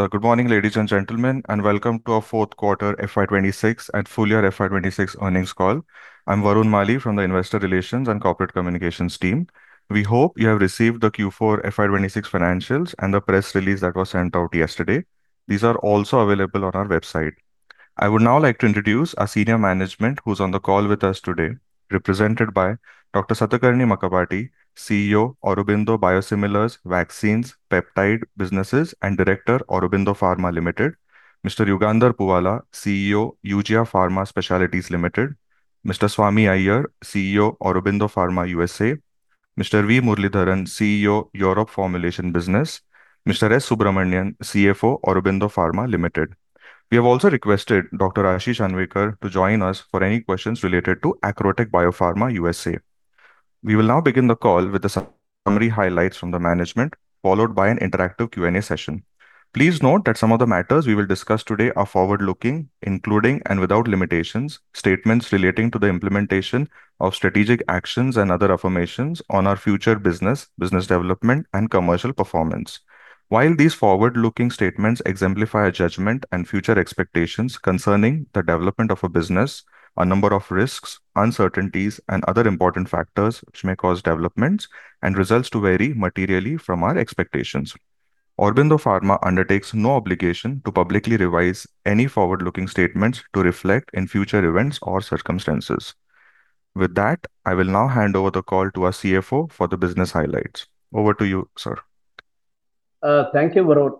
Good morning, ladies and gentlemen, and welcome to our fourth quarter FY 2026 and full year FY 2026 earnings call. I'm Varun Mali from the Investor Relations and Corporate Communications team. We hope you have received the Q4 FY 2026 financials and the press release that was sent out yesterday. These are also available on our website. I would now like to introduce our senior management who's on the call with us today, represented by Dr. Satakarni Makkapati, CEO, Aurobindo Biosimilars, Vaccines, Peptide Businesses, and Director, Aurobindo Pharma Limited. Mr. Yugandhar Puvvala, CEO, Eugia Pharma Specialties Limited. Mr. Swami Iyer, CEO, Aurobindo Pharma USA. Mr. V. Muralidharan, CEO, Europe Formulation Business. Mr. S. Subramanian, CFO, Aurobindo Pharma Limited. We have also requested Dr. Ashish Anvekar to join us for any questions related to Acrotech Biopharma USA. We will now begin the call with the summary highlights from the management, followed by an interactive Q&A session. Please note that some of the matters we will discuss today are forward-looking, including and without limitations, statements relating to the implementation of strategic actions and other affirmations on our future business development, and commercial performance. While these forward-looking statements exemplify our judgment and future expectations concerning the development of a business, a number of risks, uncertainties, and other important factors which may cause developments and results to vary materially from our expectations. Aurobindo Pharma undertakes no obligation to publicly revise any forward-looking statements to reflect any future events or circumstances. With that, I will now hand over the call to our CFO for the business highlights. Over to you, sir. Thank you, Varun.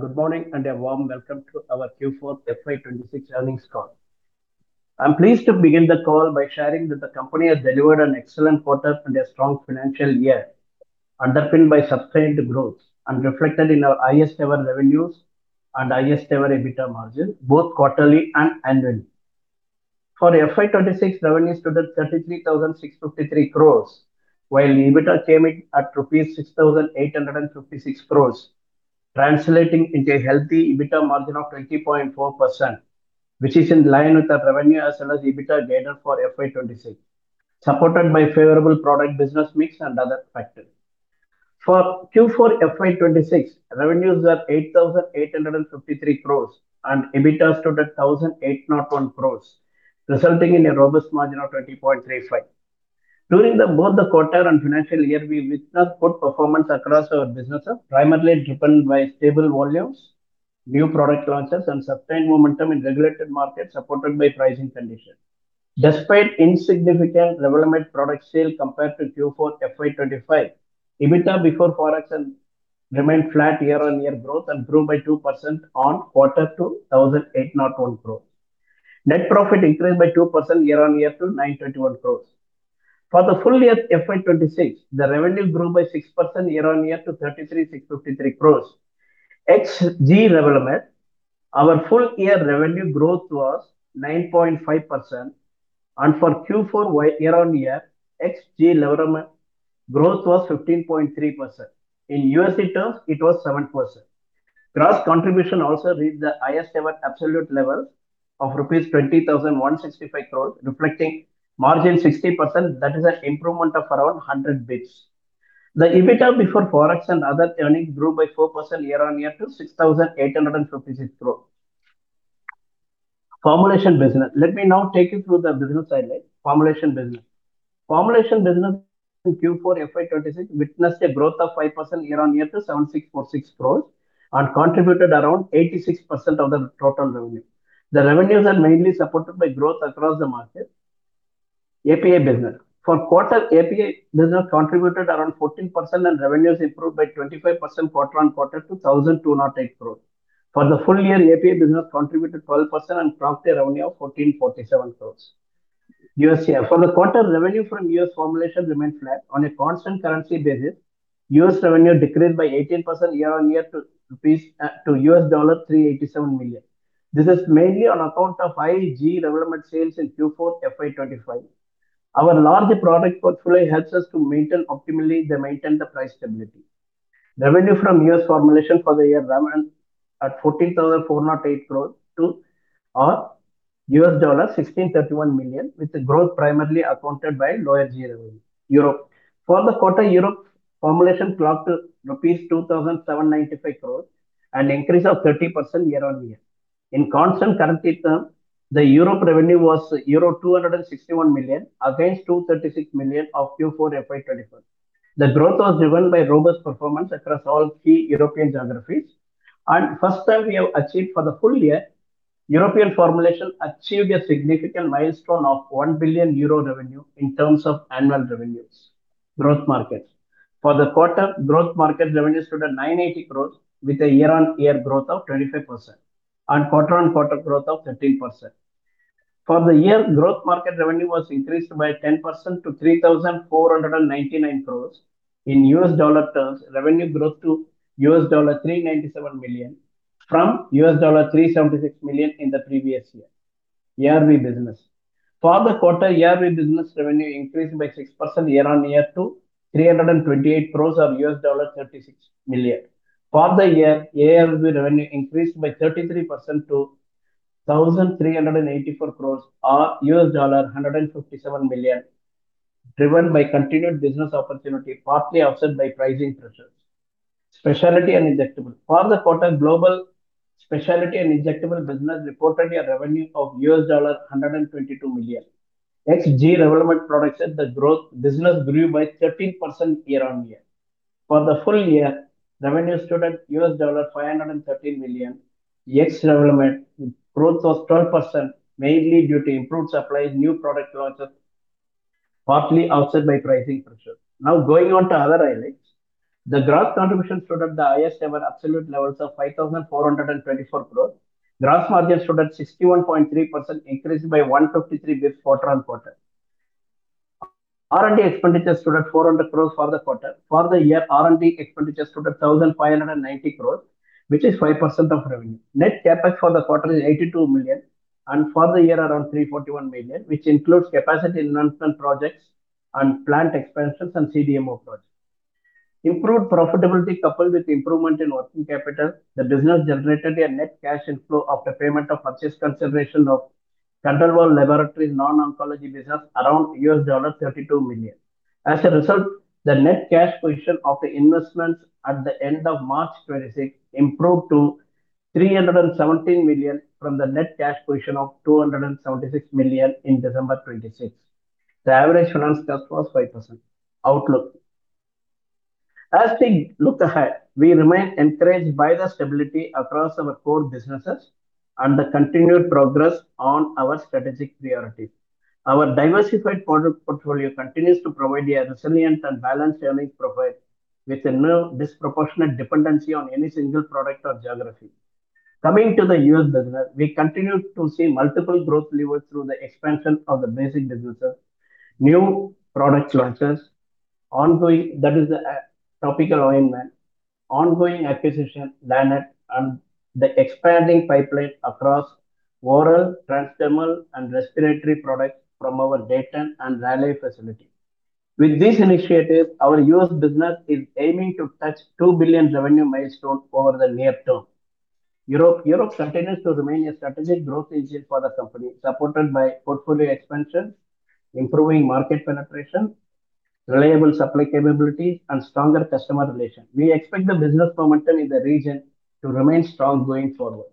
Good morning, and a warm welcome to our Q4 FY 2026 earnings call. I'm pleased to begin the call by sharing that the company has delivered an excellent quarter and a strong financial year, underpinned by sustained growth and reflected in our highest ever revenues and highest ever EBITDA margin, both quarterly and annual. For FY 2026, revenues stood at 33,653 crores, while the EBITDA came in at INR 6,856 crores, translating into a healthy EBITDA margin of 20.4%, which is in line with our revenue as well as EBITDA guidance for FY 2026, supported by favorable product business mix and other factors. For Q4 FY 2026, revenues were 8,853 crores and EBITDA stood at 1,801 crores, resulting in a robust margin of 20.35%. During both the quarter and financial year, we witnessed good performance across our businesses, primarily driven by stable volumes, new product launches and sustained momentum in regulated markets supported by pricing conditions. Despite insignificant development product sale compared to Q4 FY 2025, EBITDA before ForEx remained flat year-on-year growth and grew by 2% on quarter to 1,801 crores. Net profit increased by 2% year-on-year to 921 crores. For the full year FY 2026, the revenue grew by 6% year-on-year to 33,653 crores. Ex gRevlimid development, our full year revenue growth was 9.5%. For Q4 year-on-year, ex gRevlimid development, growth was 15.3%. In USD terms, it was 7%. Gross contribution also reached the highest ever absolute level of rupees 20,165 crores, reflecting margin 60%. That is an improvement of around 100 basis points. The EBITDA before ForEx and other earnings grew by 4% year-on-year to 6,856 crores rupees. Formulation business. Let me now take you through the business highlight, formulation business. Formulation business in Q4 FY 2026 witnessed a growth of 5% year-on-year to 7,646 crore and contributed around 86% of the total revenue. The revenues are mainly supported by growth across the market. API business. For quarter, API business contributed around 14% and revenues improved by 25% quarter-on-quarter to 1,208 crore. For the full year, API business contributed 12% and profit revenue of 1,447 crore. U.S. here. For the quarter, revenue from U.S. formulation remained flat. On a constant currency basis, U.S. revenue decreased by 18% year-on-year to $387 million. This is mainly on account of high gRevlimid development sales in Q4 FY 2025. Our large product portfolio helps us to optimally maintain the price stability. Revenue from U.S. formulation for the year remained at 14,408 crores to, or $1,631 million, with the growth primarily accounted by lower gRevlimid revenue. Europe. For the quarter, Europe Formulation clocked rupees 2,795 crores, an increase of 30% year-on-year. In constant currency term, the Europe revenue was euro 261 million against 236 million of Q4 FY 2025. The growth was driven by robust performance across all key European geographies. First time we have achieved for the full year, Europe Formulation achieved a significant milestone of 1 billion euro revenue in terms of annual revenues. Growth markets. For the quarter, growth market revenue stood at 980 crores with a year-on-year growth of 25%, and quarter-on-quarter growth of 13%. For the year, growth market revenue was increased by 10% to 3,499 crores. In U.S. dollar terms, revenue growth to $397 million from $376 million in the previous year. ARV business. For the quarter, ARV business revenue increased by 6% year-on-year to 328 crores, or $36 million. For the year, ARV revenue increased by 33% to 1,384 crores, or $157 million. Driven by continued business opportunity, partly offset by pricing pressures. Specialty and injectable. For the quarter, global specialty and injectable business reported a revenue of $122 million. Ex gRevlimid development products said the growth business grew by 13% year-on-year. For the full year, revenue stood at $513 million. Ex development growth was 12%, mainly due to improved supply of new product launches, partly offset by pricing pressure. Going on to other highlights. The growth contribution stood at the highest ever absolute levels of 5,424 crores. Gross margin stood at 61.3%, increasing by 153 basis points quarter-on-quarter. R&D expenditures stood at 400 crores for the quarter. For the year, R&D expenditures stood at 1,590 crores, which is 5% of revenue. Net CapEx for the quarter is 82 million, and for the year around 341 million, which includes capacity enhancement projects and plant expansions and CDMO projects. Improved profitability coupled with improvement in working capital, the business generated a net cash inflow after payment of purchase consideration of Khandelwal Laboratories, non-oncology business around $32 million. As a result, the net cash position of the investments at the end of March 2026 improved to 317 million from the net cash position of 276 million in December 2026. The average finance cost was 5%. Outlook. As we look ahead, we remain encouraged by the stability across our core businesses and the continued progress on our strategic priorities. Our diversified product portfolio continues to provide a resilient and balanced earnings profile with no disproportionate dependency on any single product or geography. Coming to the U.S. business, we continue to see multiple growth levers through the expansion of the basic businesses, new product launches, that is the topical ointment, ongoing acquisition, Lannett, and the expanding pipeline across oral, transdermal and respiratory products from our Dayton and Raleigh facility. With these initiatives, our U.S. business is aiming to touch $2 billion revenue milestone over the near term. Europe continues to remain a strategic growth engine for the company, supported by portfolio expansion, improving market penetration, reliable supply capabilities, and stronger customer relations. We expect the business momentum in the region to remain strong going forward.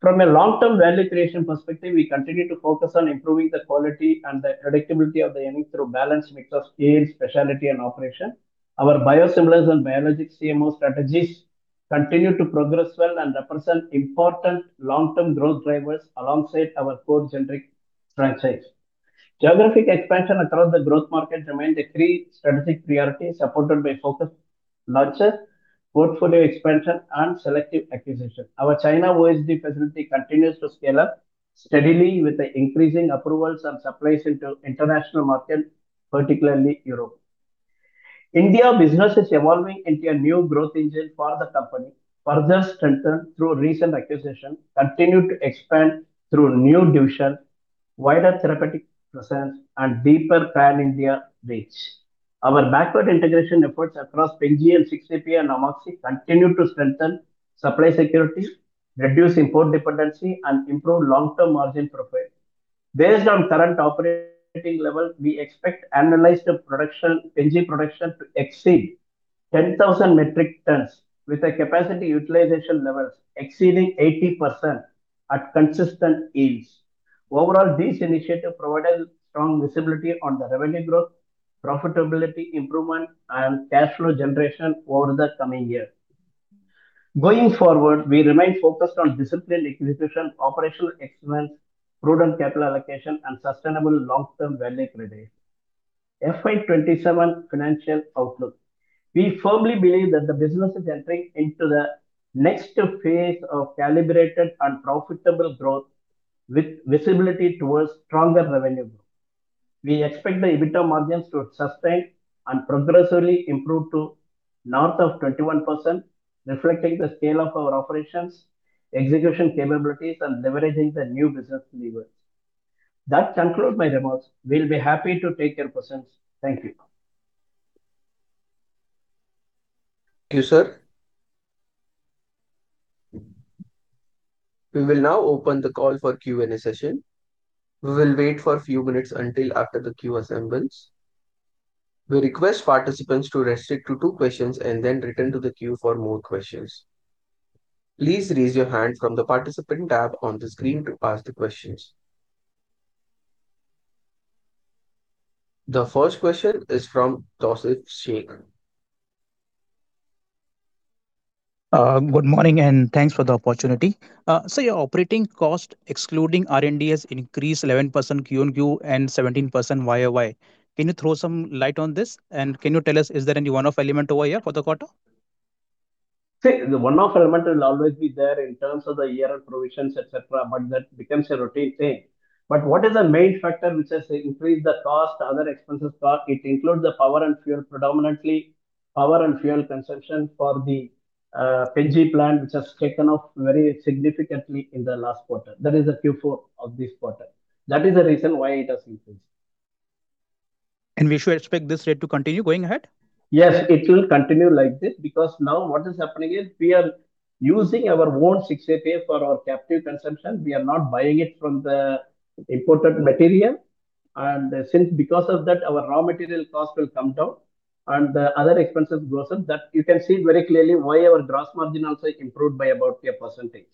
From a long-term value creation perspective, we continue to focus on improving the quality and the predictability of the earnings through balanced mix of scale, specialty, and operation. Our biosimilars and biologic CMO strategies continue to progress well and represent important long-term growth drivers alongside our core generic franchise. Geographic expansion across the growth market remained a key strategic priority, supported by focused launches, portfolio expansion, and selective acquisition. Our China OSD facility continues to scale up steadily with the increasing approvals and supplies into international markets, particularly Europe. India business is evolving into a new growth engine for the company, further strengthened through recent acquisition, continue to expand through new division, wider therapeutic presence, and deeper pan-India reach. Our backward integration efforts across Pen G and 6-APA and Amoxicillin continue to strengthen supply security, reduce import dependency, and improve long-term margin profile. Based on current operating level, we expect analyzed Pen-G production to exceed 10,000 metric tons with a capacity utilization levels exceeding 80% at consistent yields. Overall, this initiative provided strong visibility on the revenue growth, profitability improvement, and cash flow generation over the coming year. Going forward, we remain focused on disciplined execution, operational excellence, prudent capital allocation, and sustainable long-term value creation. FY 2027 financial outlook. We firmly believe that the business is entering into the next phase of calibrated and profitable growth with visibility towards stronger revenue growth. We expect the EBITDA margins to sustain and progressively improve to north of 21%, reflecting the scale of our operations, execution capabilities, and leveraging the new business levers. That concludes my remarks. We'll be happy to take your questions. Thank you. Thank you, sir. We will now open the call for Q&A session. We will wait for a few minutes until after the queue assembles. We request participants to restrict to two questions and then return to the queue for more questions. Please raise your hand from the participant tab on the screen to ask the questions. The first question is from Joseph Sheikh. Good morning. Thanks for the opportunity. Your operating cost, excluding R&D, has increased 11% QoQ and 17% YoY. Can you throw some light on this? Can you tell us is there any one-off element over here for the quarter? See, the one-off element will always be there in terms of the year-end provisions, et cetera, that becomes a routine thing. What is the main factor which has increased the cost, other expenses cost, it includes the power and fuel, predominantly power and fuel consumption for the Pen-G plant, which has taken off very significantly in the last quarter. That is the Q4 of this quarter. That is the reason why it has increased. We should expect this rate to continue going ahead? Yes, it will continue like this because now what is happening is we are using our own 6-APA for our captive consumption, we are not buying it from the imported material. Since because of that, our raw material cost will come down and the other expenses goes up. That you can see very clearly why our gross margin also improved by about a percentage.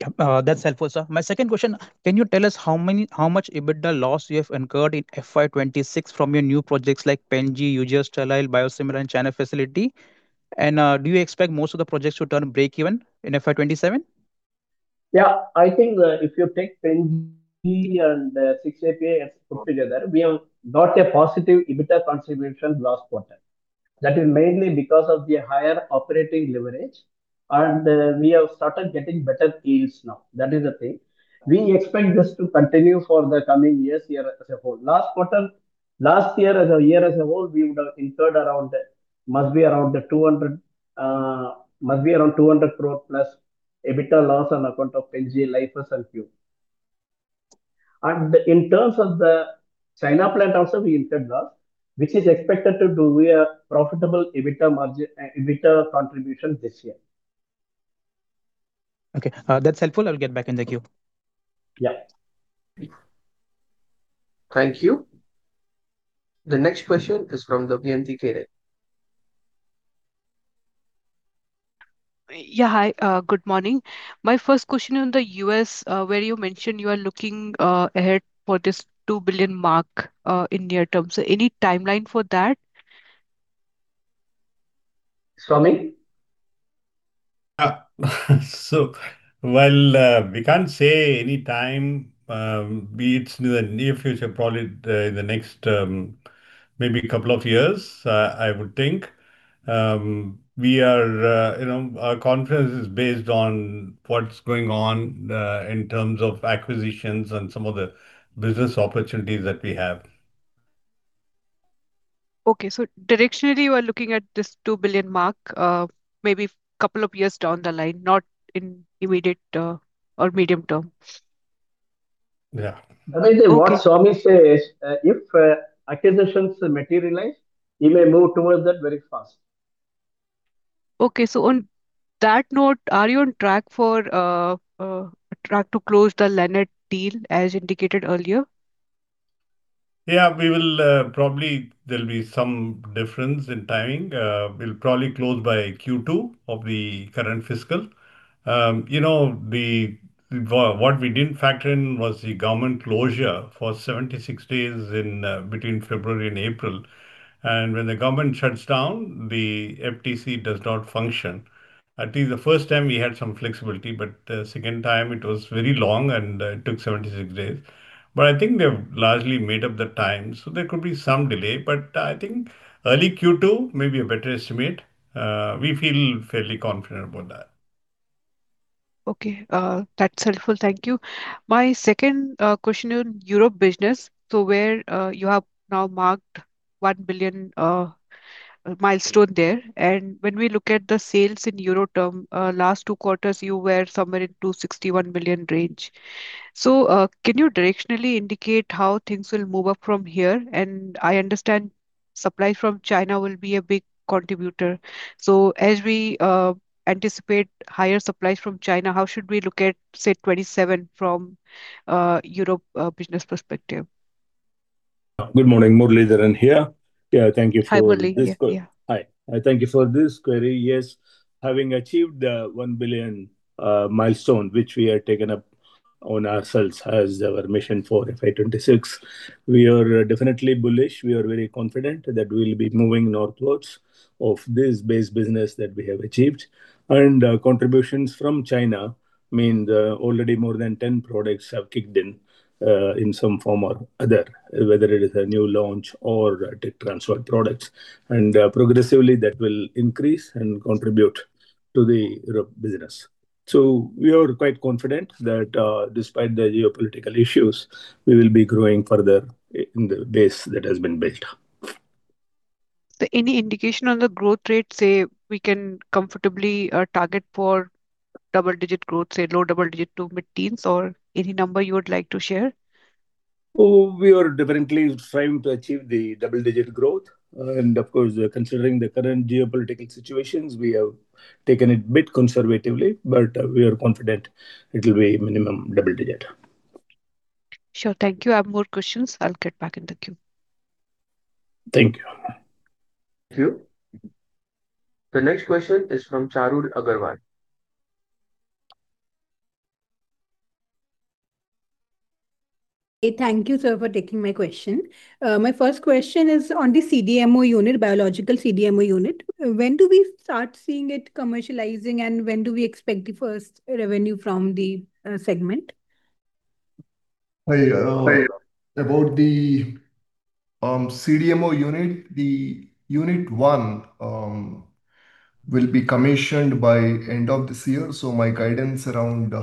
Yeah, that's helpful, sir. My second question, can you tell us how much EBITDA loss you have incurred in FY 2026 from your new projects like PenG, Eugia sterile, biosimilar, and China facility? Do you expect most of the projects to turn breakeven in FY 2027? Yeah, I think if you take PenG and 6-APA put together, we have got a positive EBITDA contribution last quarter. That is mainly because of the higher operating leverage, and we have started getting better yields now. That is the thing. We expect this to continue for the coming years as a whole. Last year as a whole, we would have incurred around, must be around 200 crore plus EBITDA loss on account of PenG, [Lyfius] and Q. In terms of the China plant also, we incurred loss, which is expected to do a profitable EBITDA contribution this year. Okay, that's helpful. I'll get back in the queue. Yeah. Thank you. The next question is from the VNT Knowledge. Hi, good morning. My first question on the U.S., where you mentioned you are looking ahead for this $2 billion mark in near term. Any timeline for that? Swami? Well, we can't say any time. Be it in the near future, probably in the next maybe two years, I would think. Our confidence is based on what's going on in terms of acquisitions and some of the Business Opportunities that we have. Okay. Directionally, you are looking at this 2 billion mark maybe couple of years down the line, not in immediate or medium term? Yeah. Okay. What Swami say is, if acquisitions materialize, we may move towards that very fast. Okay. On that note, are you on track to close the Lannett deal as indicated earlier? Yeah. Probably, there'll be some difference in timing. We'll probably close by Q2 of the current fiscal. What we didn't factor in was the government closure for 76 days between February and April. When the government shuts down, the FTC does not function. I think the first time we had some flexibility, the second time it was very long, and it took 76 days. I think they've largely made up the time. There could be some delay, I think early Q2 may be a better estimate. We feel fairly confident about that. Okay. That's helpful. Thank you. My second question on Europe business. Where you have now marked 1 billion milestone there, and when we look at the sales in EUR term, last two quarters, you were somewhere in 261 million range. Can you directionally indicate how things will move up from here? I understand supply from China will be a big contributor. As we anticipate higher supplies from China, how should we look at, say, 2027 from Europe business perspective? Good morning, Muralidharan here. Yeah. Hi, Murali. Yeah. Hi. Thank you for this query. Yes, having achieved the 1 billion milestone, which we had taken up on ourselves as our mission for FY 2026, we are definitely bullish. We are very confident that we'll be moving northwards of this base business that we have achieved. Contributions from China, I mean, already more than 10 products have kicked in some form or other, whether it is a new launch or tech transfer products, and progressively, that will increase and contribute to the Europe business. We are quite confident that despite the geopolitical issues, we will be growing further in the base that has been built. Any indication on the growth rate, say, we can comfortably target for double-digit growth, say, low double digit to mid-teens or any number you would like to share? We are definitely trying to achieve the double-digit growth. Of course, considering the current geopolitical situations, we have taken it bit conservatively, but we are confident it'll be minimum double-digit. Sure. Thank you. I have more questions. I'll get back in the queue. Thank you. Thank you. The next question is from [Charu Agarwal]. Thank you, sir, for taking my question. My first question is on the biological CDMO unit. When do we start seeing it commercializing, and when do we expect the first revenue from the segment? About the CDMO unit, the unit one will be commissioned by end of this year. My guidance around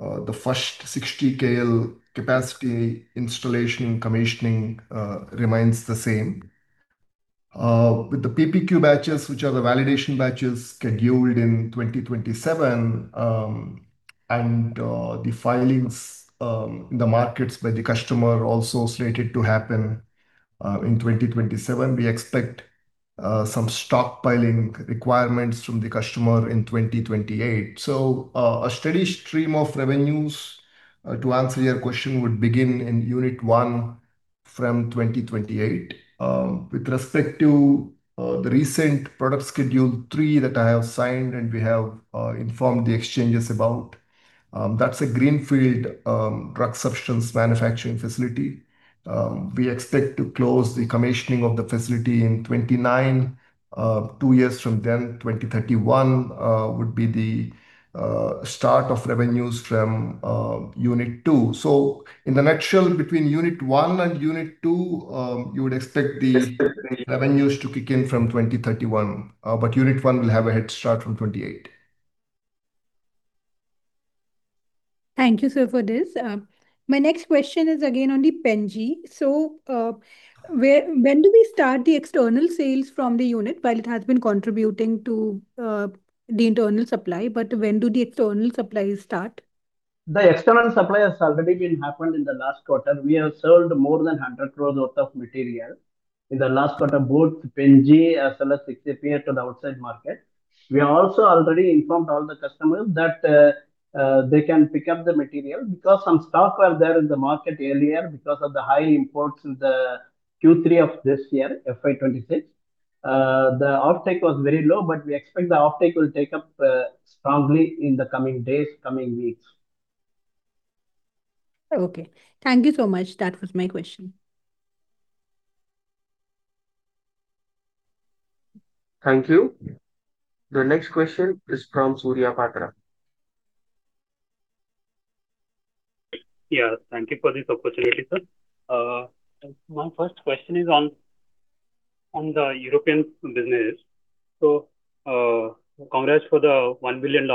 the first 60 KL capacity installation commissioning remains the same with the PPQ batches, which are the validation batches scheduled in 2027, and the filings in the markets by the customer also slated to happen. In 2027, we expect some stockpiling requirements from the customer in 2028. A steady stream of revenues, to answer your question, would begin in unit 1 from 2028. With respect to the recent product schedule 3 that I have signed and we have informed the exchanges about, that's a greenfield drug substance manufacturing facility. We expect to close the commissioning of the facility in 2029. Two years from then, 2031, would be the start of revenues from unit 2. In a nutshell, between unit 1 and unit 2, you would expect the revenues to kick in from 2031. Unit 1 will have a head start from 2028. Thank you, sir, for this. My next question is again on the Pen-G. When do we start the external sales from the unit? While it has been contributing to the internal supply, but when do the external supplies start? The external supply has already been happened in the last quarter. We have sold more than 100 crore worth of material in the last quarter, both Pen-G as well as to the outside market. We also already informed all the customers that they can pick up the material because some stock were there in the market earlier because of the high imports in the Q3 of this year, FY 2026. We expect the offtake will take up strongly in the coming days, coming weeks. Okay. Thank you so much. That was my question. Thank you. The next question is from Surya Patra. Yeah. Thank you for this opportunity, sir. My first question is on the European business. Congrats for the $1 billion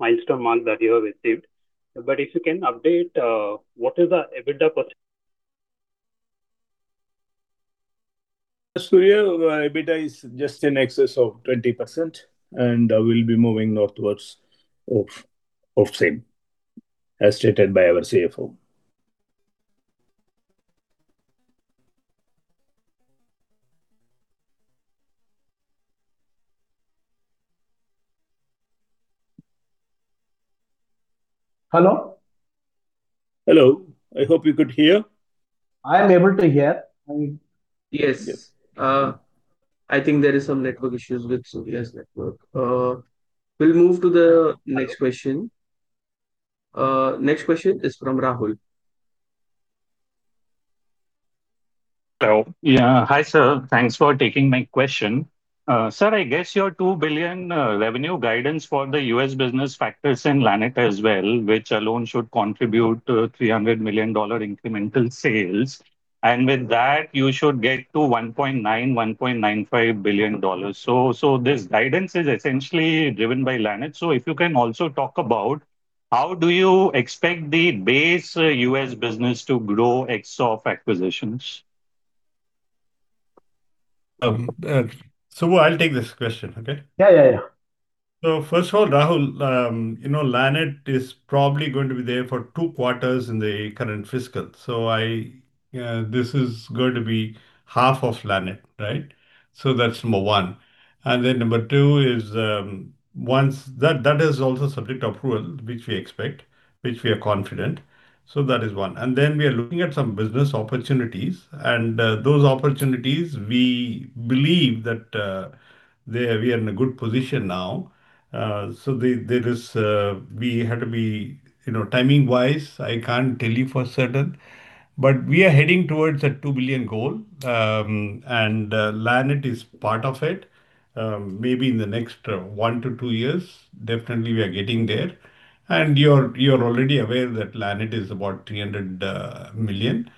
milestone mark that you have achieved. If you can update, what is the EBITDA percentage? Surya, EBITDA is just in excess of 20%, and we'll be moving onwards of same, as stated by our CFO. Hello? Hello. I hope you could hear. I am able to hear. Yes. Yes. I think there is some network issues with Surya's network. We will move to the next question. Next question is from Rahul. Hello. Yeah. Hi, sir. Thanks for taking my question. Sir, I guess your $2 billion revenue guidance for the U.S. business factors in Lannett as well, which alone should contribute to $300 million incremental sales. With that, you should get to $1.9 billion-$1.95 billion. This guidance is essentially driven by Lannett. If you can also talk about how do you expect the base U.S. business to grow ex of acquisitions? Subbu, I'll take this question, okay? Yeah. First of all, Rahul, Lannett is probably going to be there for 2 quarters in the current fiscal. This is going to be half of Lannett, right? That's number 1. Number 2 is, that is also subject to approval, which we expect, which we are confident. That is 1. We are looking at some business opportunities. Those opportunities, we believe that we are in a good position now. We had to be, timing-wise, I can't tell you for certain, but we are heading towards a $2 billion goal, and Lannett is part of it. Maybe in the next one to two years, definitely we are getting there. You're already aware that Lannett is about $300 million.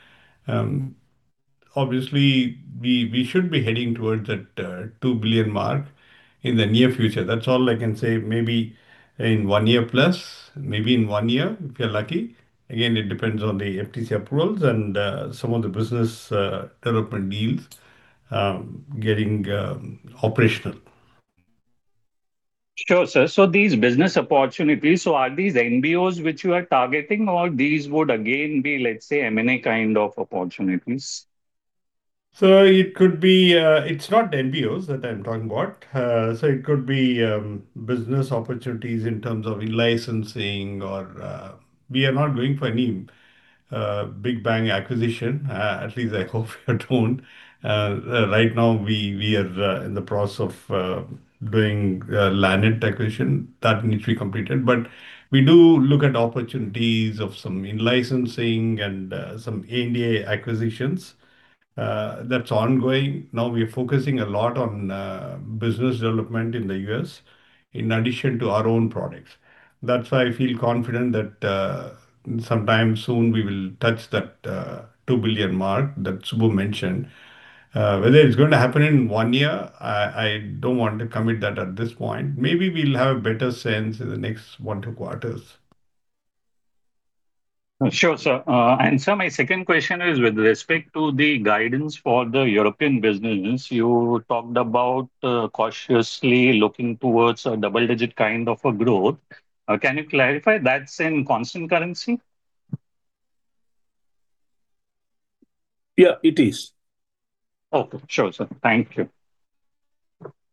Obviously, we should be heading towards that $2 billion mark in the near future. That's all I can say. Maybe in one year plus, maybe in one year, if we are lucky. It depends on the FTC approvals and some of the business development deals getting operational. Sure, sir. These business opportunities, so are these NBOs which you are targeting or these would again be, let's say, M&A kind of opportunities? It's not NBOs that I'm talking about. It could be business opportunities in terms of in-licensing or we are not going for any big bang acquisition, at least I hope we are not. Right now, we are in the process of doing Lannett acquisition. That needs to be completed. We do look at opportunities of some in-licensing and some NDA acquisitions. That's ongoing. We are focusing a lot on business development in the U.S. in addition to our own products. That's why I feel confident that sometime soon we will touch that $2 billion mark that Subbu mentioned. Whether it's going to happen in one year, I don't want to commit that at this point. Maybe we'll have a better sense in the next 1, 2 quarters. Sure, sir. Sir, my second question is with respect to the guidance for the European business. You talked about cautiously looking towards a double-digit kind of a growth. Can you clarify, that's in constant currency? Yeah, it is. Okay, sure, sir. Thank you.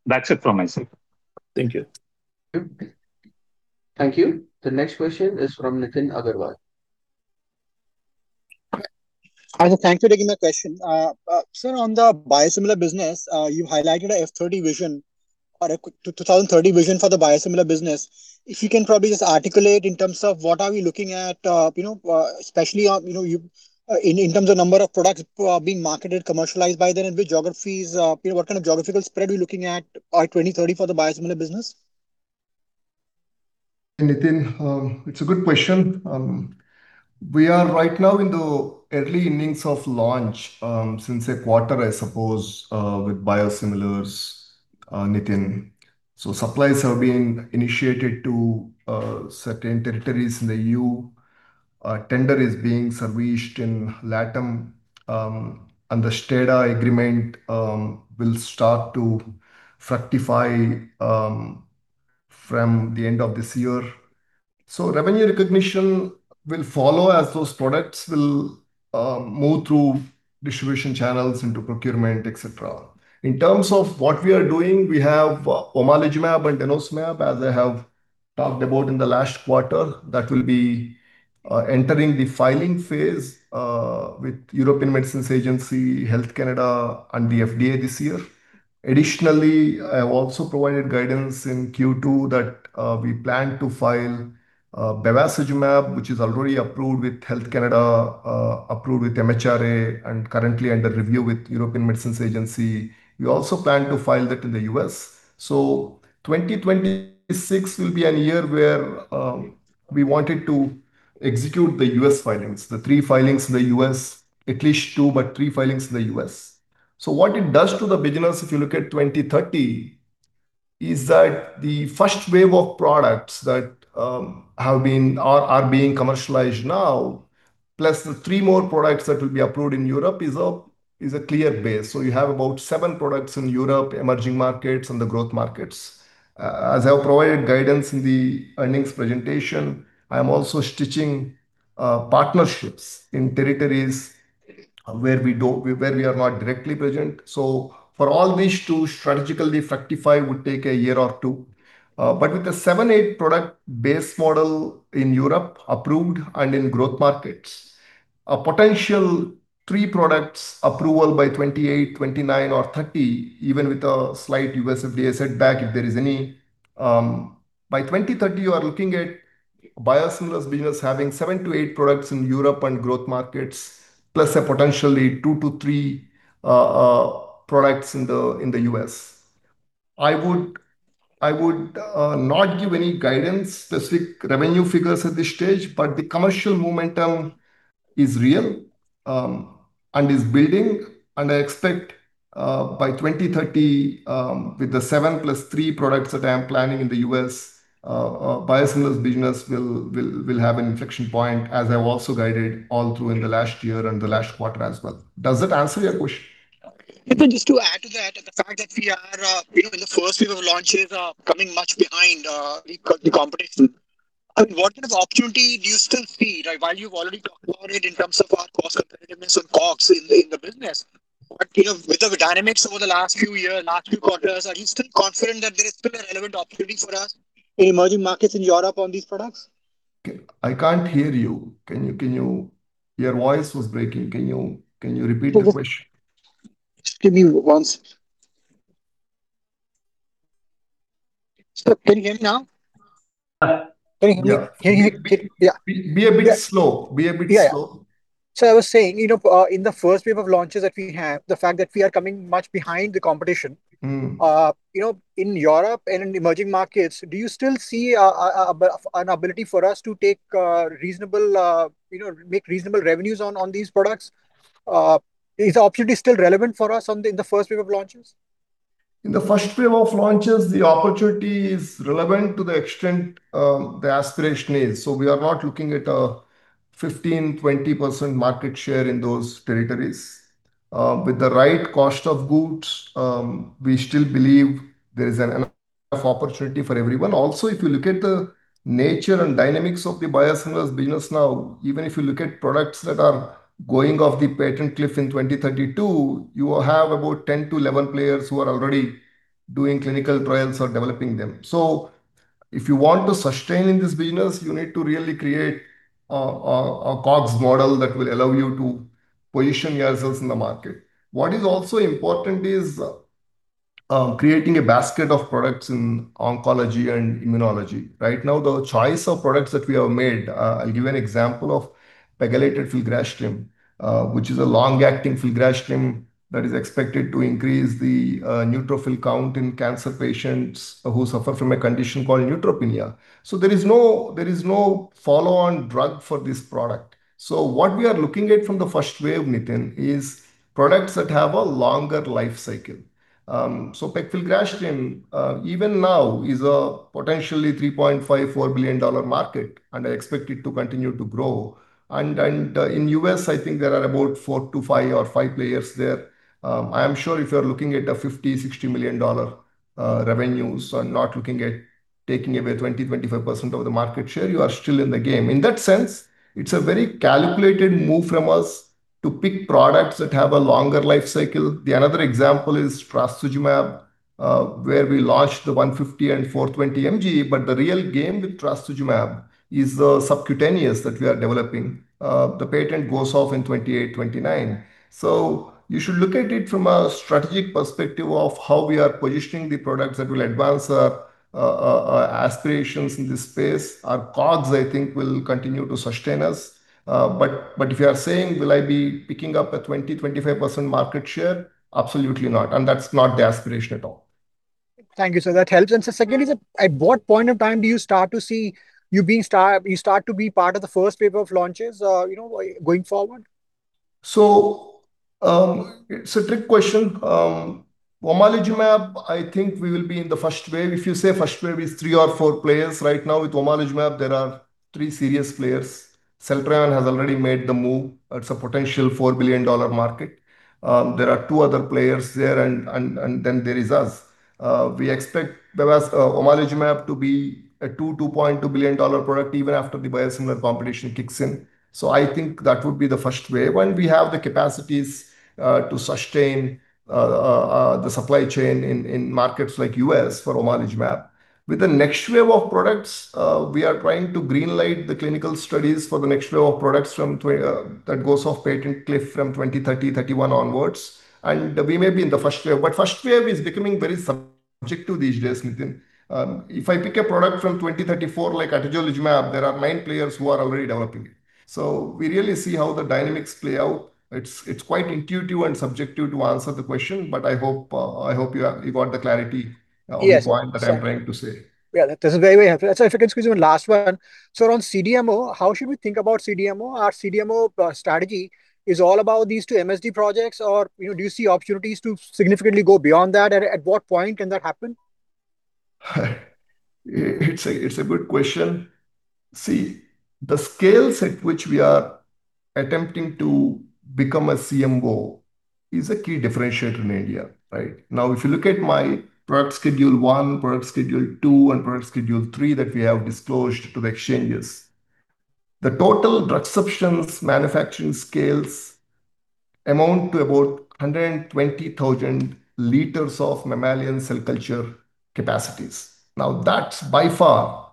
That is it from my side. Thank you. Thank you. The next question is from Nitin Aggarwal. Hi, sir. Thank you for taking my question. Sir, on the biosimilar business, you've highlighted a FY 2030 vision or a 2030 vision for the biosimilar business. If you can probably just articulate in terms of what are we looking at, especially in terms of number of products being marketed, commercialized by then, and which geographies, what kind of geographical spread are we looking at by 2030 for the biosimilar business? Hey, Nitin. It is a good question. We are right now in the early innings of launch, since a quarter, I suppose, with biosimilars, Nitin. Supplies are being initiated to certain territories in the EU. Tender is being serviced in LATAM, and the STADA agreement will start to fructify from the end of this year. Revenue recognition will follow as those products will move through distribution channels into procurement, et cetera. In terms of what we are doing, we have omalizumab and denosumab, as I have talked about in the last quarter. That will be entering the filing phase with European Medicines Agency, Health Canada, and the FDA this year. Additionally, I have also provided guidance in Q2 that we plan to file bevacizumab, which is already approved with Health Canada, approved with MHRA, and currently under review with European Medicines Agency. We also plan to file that in the U.S. 2026 will be a year where we wanted to execute the U.S. filings, the 3 filings in the U.S., at least 2, but 3 filings in the U.S. What it does to the business if you look at 2030, is that the first wave of products that are being commercialized now, plus the three more products that will be approved in Europe is a clear base. You have about seven products in Europe, emerging markets, and the growth markets. As I have provided guidance in the earnings presentation, I am also stitching partnerships in territories where we are not directly present. For all these to strategically fructify would take a year or two. With a seven, eight product base model in Europe approved and in growth markets, a potential 3 products approval by 2028, 2029 or 2030, even with a slight U.S. FDA setback, if there is any. By 2030, you are looking at biosimilars business having 7 to 8 products in Europe and growth markets, plus a potentially 2 to 3 products in the U.S. I would not give any guidance, specific revenue figures at this stage, but the commercial momentum is real and is building, and I expect by 2030, with the 7 plus 3 products that I am planning in the U.S., biosimilars business will have an inflection point, as I have also guided all through in the last year and the last quarter as well. Does that answer your question? Nitin, just to add to that, the fact that we are in the first wave of launches are coming much behind the competition. What kind of opportunity do you still see, while you've already talked about it in terms of our cost competitiveness on COGS in the business? With the dynamics over the last few year, last few quarters, are you still confident that there is still a relevant opportunity for us in emerging markets in Europe on these products? I can't hear you. Your voice was breaking. Can you repeat your question? Just give me one second. Sir, can you hear me now? Yeah. Can you hear me? Yeah. Be a bit slow. Yeah, yeah. Sir, I was saying, in the first wave of launches that we have, the fact that we are coming much behind the competition. In Europe and in emerging markets, do you still see an ability for us to make reasonable revenues on these products? Is the opportunity still relevant for us in the first wave of launches? In the first wave of launches, the opportunity is relevant to the extent the aspiration is. We are not looking at a 15%-20% market share in those territories. With the right cost of goods, we still believe there is an enough opportunity for everyone. If you look at the nature and dynamics of the biosimilars business now, even if you look at products that are going off the patent cliff in 2032, you will have about 10 to 11 players who are already doing clinical trials or developing them. If you want to sustain in this business, you need to really create a COGS model that will allow you to position yourselves in the market. What is also important is creating a basket of products in oncology and immunology. Right now, the choice of products that we have made, I'll give you an example of pegylated filgrastim, which is a long-acting filgrastim that is expected to increase the neutrophil count in cancer patients who suffer from a condition called neutropenia. There is no follow-on drug for this product. What we are looking at from the first wave, Nitin, is products that have a longer life cycle. Pegfilgrastim, even now, is a potentially $3.54 billion market, and I expect it to continue to grow. In U.S., I think there are about 4 to 5 players there. I am sure if you're looking at $50 million-$60 million revenues or not looking at taking away 20%-25% of the market share, you are still in the game. In that sense, it's a very calculated move from us to pick products that have a longer life cycle. The other example is trastuzumab, where we launched the 150 and 420 mg, but the real game with trastuzumab is the subcutaneous that we are developing. The patent goes off in 2028, 2029. You should look at it from a strategic perspective of how we are positioning the products that will advance our aspirations in this space. Our COGS, I think, will continue to sustain us. If you are saying, will I be picking up a 20, 25% market share? Absolutely not. That's not the aspiration at all. Thank you, sir. That helps. Sir, secondly, sir, at what point in time do you start to be part of the first wave of launches going forward? It's a trick question. omalizumab, I think we will be in the first wave. If you say first wave is 3 or 4 players right now with omalizumab, there are 3 serious players. Celltrion has already made the move. It's a potential $4 billion market. There are 2 other players there and then there is us. We expect bevacizumab, omalizumab to be a $2 billion-$2.2 billion product even after the biosimilar competition kicks in. I think that would be the first wave when we have the capacities to sustain the supply chain in markets like U.S. for omalizumab. With the next wave of products, we are trying to green light the clinical studies for the next wave of products that goes off patent cliff from 2030, 2031 onwards. We may be in the first wave, but first wave is becoming very subjective these days, Nitin. If I pick a product from 2034 like atezolizumab, there are nine players who are already developing it. We really see how the dynamics play out. It's quite intuitive and subjective to answer the question, but I hope you got the clarity. Yes on the point that I'm trying to say. Yeah, that is very, very helpful. If I can squeeze one last one. Sir, on CDMO, how should we think about CDMO? Our CDMO strategy is all about these two MSD projects or do you see opportunities to significantly go beyond that? At what point can that happen? It's a good question. See, the scales at which we are attempting to become a CMO is a key differentiator in India, right? If you look at my product schedule 1, product schedule 2, and product schedule 3 that we have disclosed to the exchanges. The total drug substance manufacturing scales amount to about 120,000 L of mammalian cell culture capacities. That's by far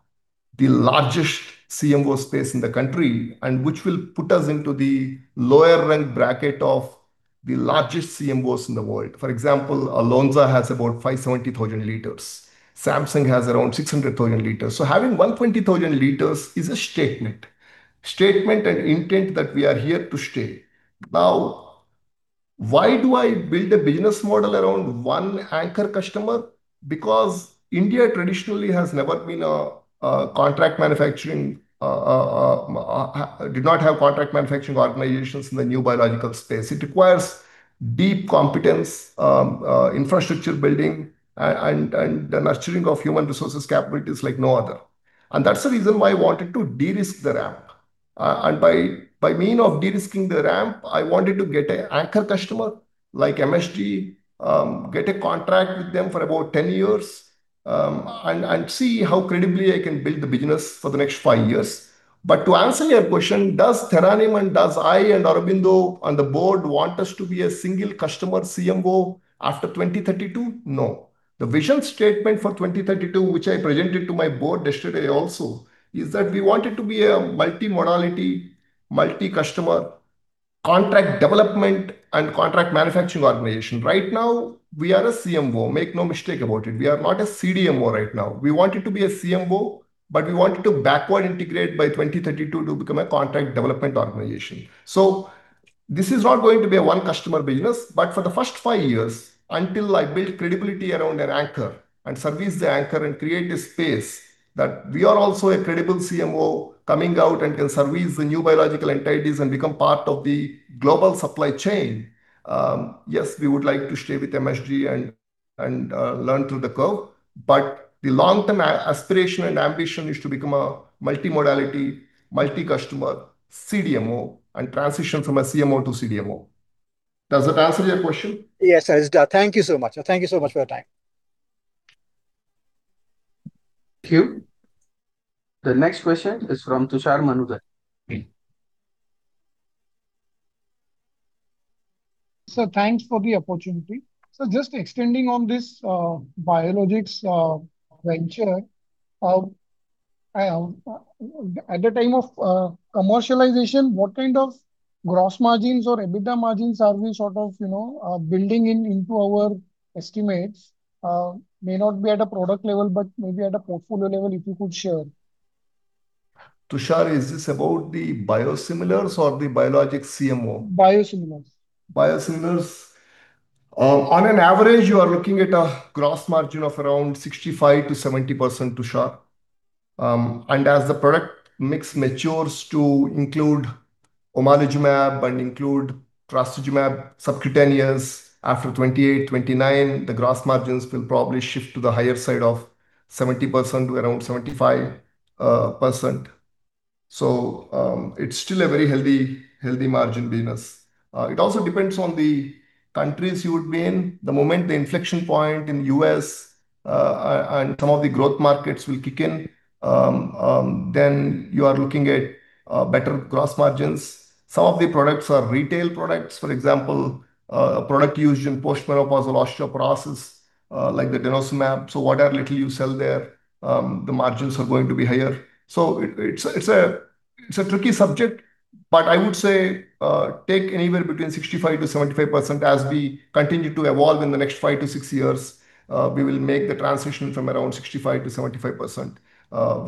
the largest CMO space in the country, and which will put us into the lower rank bracket of the largest CMOs in the world. For example, Lonza has about 570,000 L. Samsung has around 600,000 L. Having 120,000 L is a statement and intent that we are here to stay. Why do I build a business model around one anchor customer? Because India traditionally did not have contract manufacturing organizations in the new biological space. It requires deep competence, infrastructure building, and the nurturing of human resources capabilities like no other. That's the reason why I wanted to de-risk the ramp. By mean of de-risking the ramp, I wanted to get an anchor customer like MSD, get a contract with them for about 10 years, and see how credibly I can build the business for the next five years. To answer your question, does [TheraNym] and does I and Aurobindo on the board want us to be a single customer CMO after 2032? No. The vision statement for 2032, which I presented to my board yesterday also, is that we wanted to be a multi-modality, multi-customer, contract development and contract manufacturing organization. Right now, we are a CMO, make no mistake about it. We are not a CDMO right now. We wanted to be a CMO, but we wanted to backward integrate by 2032 to become a contract development organization. This is not going to be a one-customer business, but for the first five years, until I build credibility around an anchor and service the anchor and create a space that we are also a credible CMO coming out and can service the new biological entities and become part of the global supply chain, yes, we would like to stay with MSD and learn through the curve, but the long-term aspiration and ambition is to become a multi-modality, multi-customer CDMO and transition from a CMO to CDMO. Does that answer your question? Yes, it does. Thank you so much. Thank you so much for your time. Thank you. The next question is from Tushar Manudhane. Sir, thanks for the opportunity. Sir, just extending on this biologics venture, at the time of commercialization, what kind of gross margins or EBITDA margins are we sort of building into our estimates? May not be at a product level, but maybe at a portfolio level, if you could share. Tushar, is this about the biosimilars or the biologic CMO? Biosimilars. Biosimilars. On an average, you are looking at a gross margin of around 65%-70%, Tushar. As the product mix matures to include omalizumab and include trastuzumab subcutaneous after 2028, 2029, the gross margins will probably shift to the higher side of 70%-75%. It's still a very healthy margin business. It also depends on the countries you would be in. The moment the inflection point in U.S. and some of the growth markets will kick in, you are looking at better gross margins. Some of the products are retail products. For example, a product used in post-menopausal osteoporosis, like denosumab. Whatever little you sell there, the margins are going to be higher. It's a tricky subject, but I would say take anywhere between 65%-75%. As we continue to evolve in the next five to six years, we will make the transition from around 65% to 75%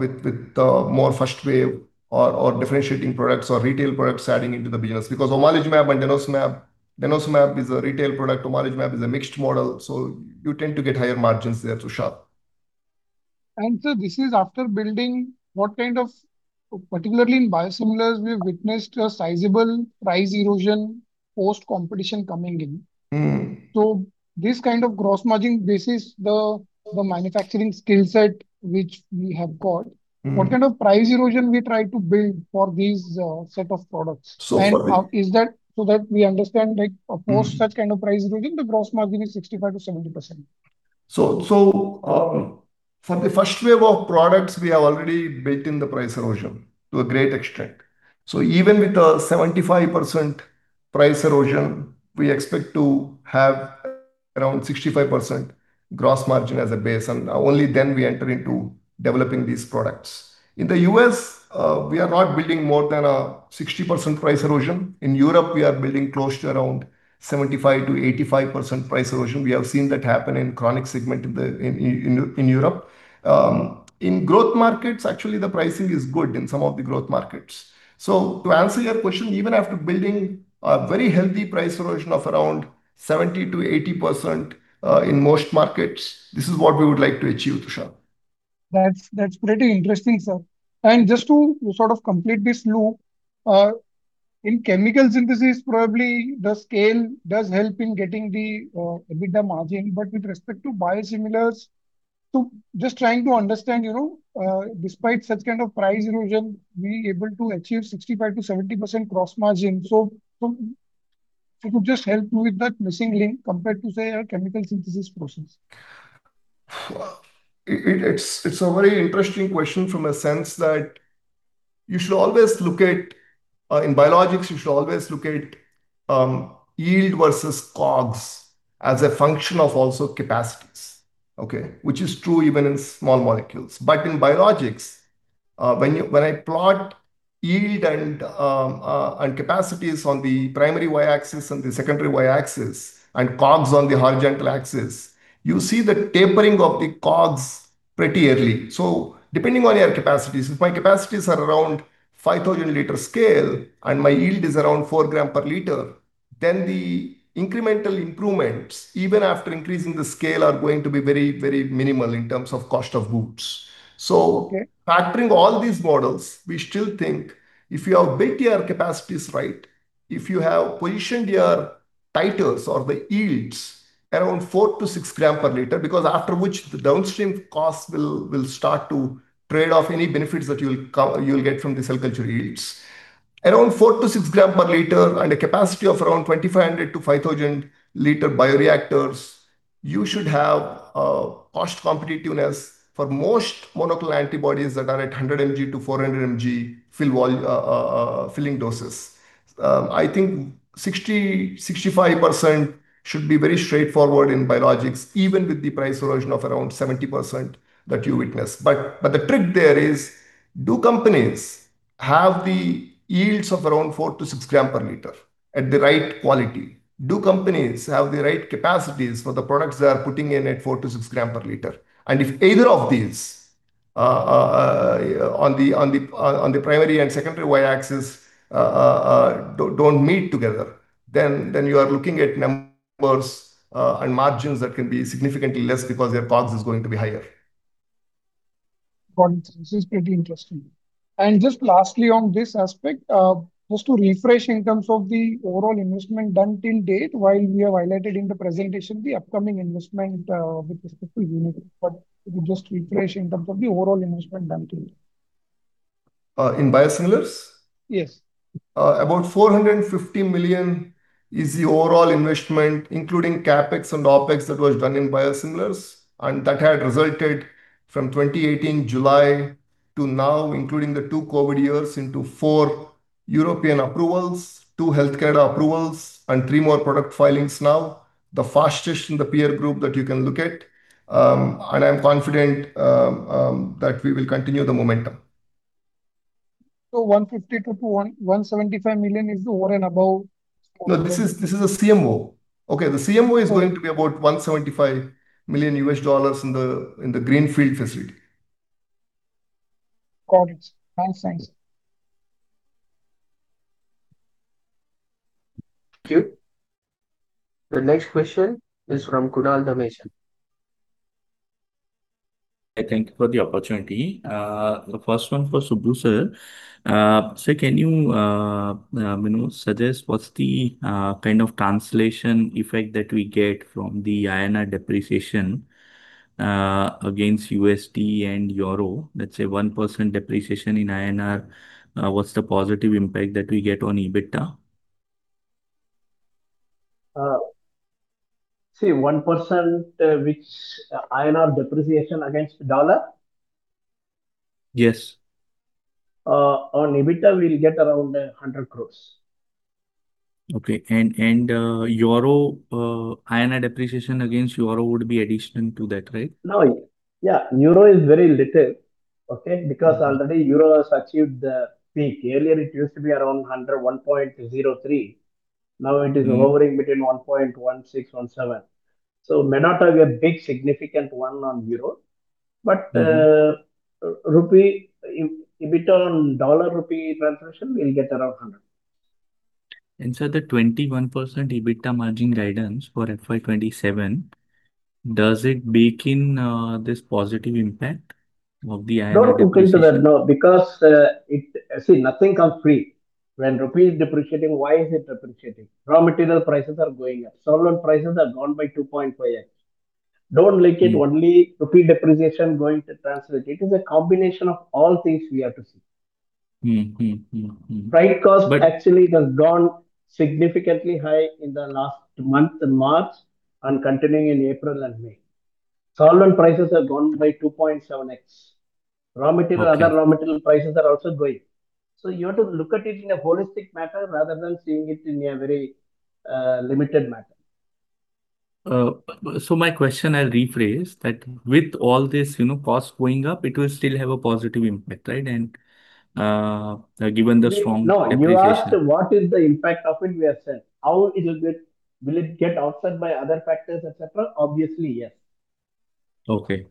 with the more first wave or differentiating products or retail products adding into the business. Because omalizumab and denosumab is a retail product, omalizumab is a mixed model, so you tend to get higher margins there, Tushar. This is after building Particularly in biosimilars, we've witnessed a sizable price erosion post competition coming in. This kind of gross margin basis, the manufacturing skill set which we have got. what kind of price erosion we try to build for these set of products? Sure. Is that so that we understand? across such kind of price erosion, the gross margin is 65%-70%. For the first wave of products, we have already built in the price erosion to a great extent. Even with a 75% price erosion, we expect to have around 65% gross margin as a base, and only then we enter into developing these products. In the U.S., we are not building more than a 60% price erosion. In Europe, we are building close to around 75%-85% price erosion. We have seen that happen in chronic segment in Europe. In growth markets, actually, the pricing is good in some of the growth markets. To answer your question, even after building a very healthy price erosion of around 70%-80% in most markets, this is what we would like to achieve, Tushar. That's pretty interesting, sir. Just to sort of complete this loop, in chemical synthesis, probably the scale does help in getting the EBITDA margin. With respect to biosimilars, just trying to understand, despite such kind of price erosion, being able to achieve 65%-70% gross margin. If you could just help me with that missing link compared to, say, a chemical synthesis process. It's a very interesting question from a sense that, in biologics, you should always look at yield versus COGS as a function of also capacities, okay? Which is true even in small molecules. In biologics, when I plot yield and capacities on the primary Y-axis and the secondary Y-axis and COGS on the horizontal axis, you see the tapering of the COGS pretty early. Depending on your capacities, if my capacities are around 5,000-liter scale and my yield is around 4 g/L, then the incremental improvements, even after increasing the scale, are going to be very minimal in terms of cost of goods. Okay. Factoring all these models, we still think if you have built your capacities right, if you have positioned your titers or the yields around 4 to 6 g/L, because after which the downstream costs will start to trade off any benefits that you'll get from the cell culture yields. Around 4 to 6 g/L and a capacity of around 2,500-5,000 L bioreactors, you should have a cost competitiveness for most monoclonal antibodies that are at 100 mg-400 mg filling doses. I think 60%, 65% should be very straightforward in biologics, even with the price erosion of around 70% that you witness. The trick there is, do companies have the yields of around 4 to 6 g/L at the right quality? Do companies have the right capacities for the products they are putting in at 4-6 g/L? If either of these on the primary and secondary Y-axis don't meet together, then you are looking at numbers and margins that can be significantly less because their COGS is going to be higher. Got it. This is pretty interesting. Just lastly on this aspect, just to refresh in terms of the overall investment done till date while we have highlighted in the presentation the upcoming investment with respect to unit. If you could just refresh in terms of the overall investment done till date. In biosimilars? Yes. About $450 million is the overall investment, including CapEx and OpEx, that was done in biosimilars, and that had resulted from 2018 July to now, including the two COVID years, into four European approvals, two healthcare approvals, and three more product filings now, the fastest in the peer group that you can look at. I'm confident that we will continue the momentum. 150 million-175 million is the over and above. No, this is a CMO. Okay. The CMO is going to be about INR 175 million in the greenfield facility. Got it. Thanks. Thank you. The next question is from Kunal Dhamesha. Thank you for the opportunity. The first one for Subbu, sir. Can you suggest what's the kind of translation effect that we get from the INR depreciation against USD and euro? Let's say 1% depreciation in INR, what's the positive impact that we get on EBITDA? See, 1% which INR depreciation against dollar? Yes. On EBITDA, we'll get around 100 crores. Okay. Euro, INR depreciation against Euro would be addition to that, right? No. Yeah, Euro is very little. Okay? Already Euro has achieved the peak. Earlier it used to be around 101.03. hovering between 1.16, 1.17, may not have a big significant one on euro. rupee, EBITDA on dollar rupee transaction, we'll get around 100. The 21% EBITDA margin guidance for FY 2027, does it bake in this positive impact of the INR depreciation? No, because, see, nothing comes free. When rupee is depreciating, why is it depreciating? Raw material prices are going up. Solvent prices have gone by 2.5x. only rupee depreciation going to translate. It is a combination of all things we have to see. Freight cost actually has gone significantly high in the last month, March, and continuing in April and May. Solvent prices have gone by 2.7x. Okay other raw material prices are also going. You have to look at it in a holistic manner rather than seeing it in a very limited manner. My question, I'll rephrase that with all this cost going up, it will still have a positive impact, right? Given the strong depreciation. No, you asked what is the impact of it, we have said. Will it get offset by other factors, et cetera? Obviously, yes. Okay.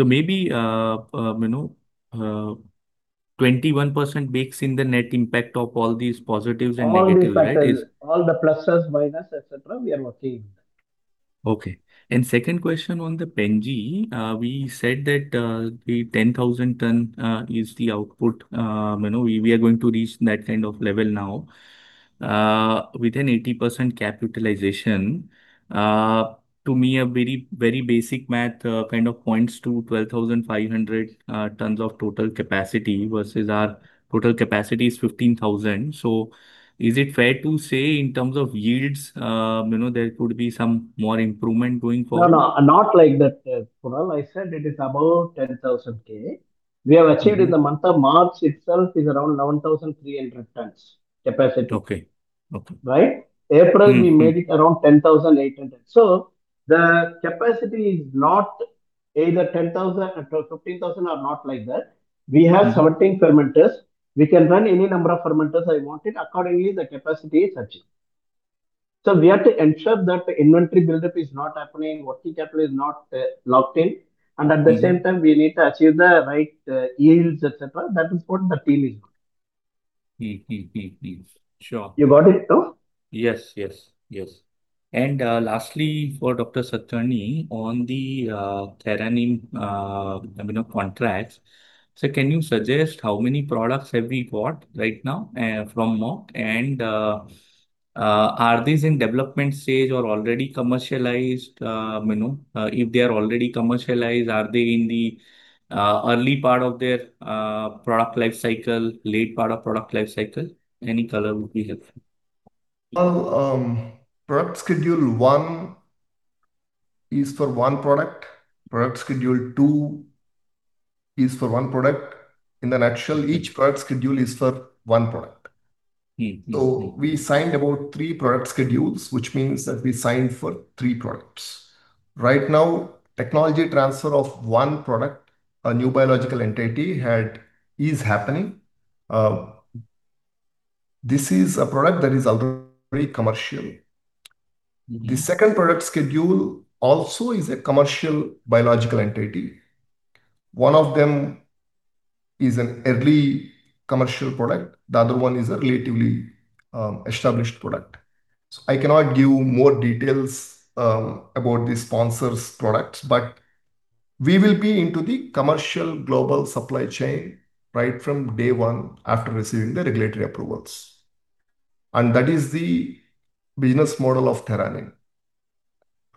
maybe, 21% bakes in the net impact of all these positives and negatives, right? All the factors. All the pluses, minus, et cetera, we are looking. Okay. Second question on the PenG. We said that the 10,000 ton is the output. We are going to reach that kind of level now. Within 80% capitalization, to me, a very basic math kind of points to 12,500 tons of total capacity versus our total capacity is 15,000. Is it fair to say in terms of yields, there could be some more improvement going forward? No, not like that, Kunal. I said it is above 10,000 K. We have achieved in the month of March itself is around 1,300 tons capacity. Okay. Right? we made it around 10,800. The capacity is not either 10,000 or 15,000 or not like that. 17 fermenters. We can run any number of fermenters I wanted. Accordingly, the capacity is achieved. We have to ensure that the inventory buildup is not happening, working capital is not locked in, and at the same time. We need to achieve the right yields, et cetera. That is what the team is doing. Sure. You got it though? Yes. Lastly, for Dr. Satakarni on the TheraNym contracts. Can you suggest how many products have we got right now from Merck? Are these in development stage or already commercialized? If they are already commercialized, are they in the early part of their product life cycle, late part of product life cycle? Any color would be helpful. Well, product Schedule I is for one product. Product Schedule II is for one product. In the nutshell, each product schedule is for one product. We signed about three product schedules, which means that we signed for three products. Right now, technology transfer of one product, a new biological entity is happening. This is a product that is already commercial. The second product schedule also is a commercial biological entity. One of them is an early commercial product, the other one is a relatively established product. I cannot give more details about the sponsor's products, but we will be into the commercial global supply chain right from day one after receiving the regulatory approvals. That is the business model of [CuraTeQ].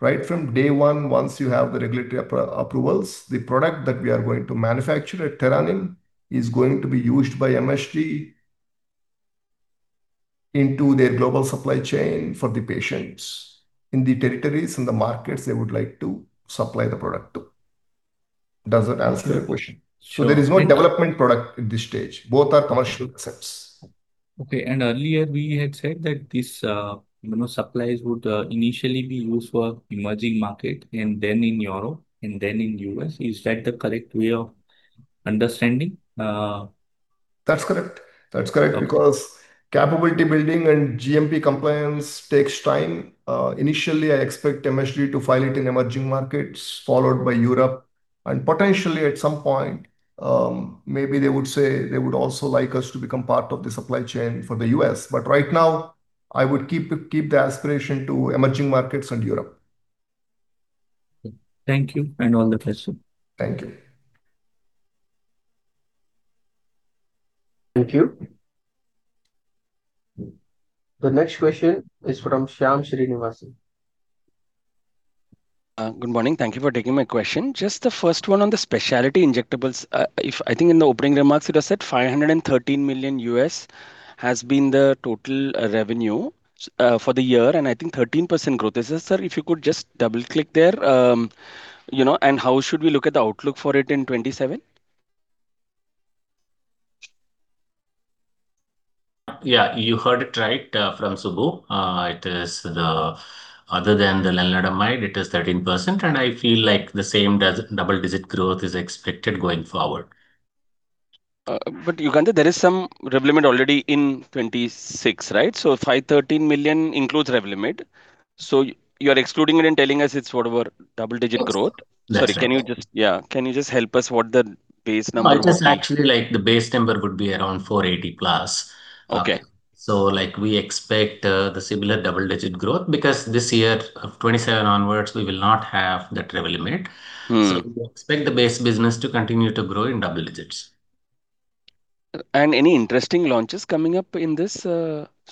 Right from day one, once you have the regulatory approvals, the product that we are going to manufacture at [CuraTeQ] is going to be used by MSD into their global supply chain for the patients in the territories, in the markets they would like to supply the product to. Does that answer your question? Sure. There is no development product at this stage. Both are commercial assets. Okay. Earlier we had said that these supplies would initially be used for emerging market and then in Europe and then in U.S. Is that the correct way of understanding? That's correct. Capability building and GMP compliance takes time. Initially, I expect MSD to file it in emerging markets, followed by Europe, and potentially at some point, maybe they would say they would also like us to become part of the supply chain for the U.S. Right now, I would keep the aspiration to emerging markets and Europe. Thank you, and all the best. Thank you. Thank you. The next question is from Shyam Srinivasan. Good morning. Thank you for taking my question. Just the first one on the specialty injectables. I think in the opening remarks you just said $513 million has been the total revenue for the year, and I think 13% growth. Is it, sir? If you could just double-click there. How should we look at the outlook for it in 2027? Yeah, you heard it right from Subbu. Other than the lenalidomide, it is 13%, and I feel like the same double-digit growth is expected going forward. Yugandhar, there is some Revlimid already in 2026, right? 513 million includes Revlimid. You're excluding it and telling us it's whatever double-digit growth. That's right. Sorry, can you just help us what the base number was? No, just actually the base number would be around 480 plus. Okay. We expect the similar double-digit growth, because this year of 2027 onwards, we will not have that Revlimid. We expect the base business to continue to grow in double digits. Any interesting launches coming up in this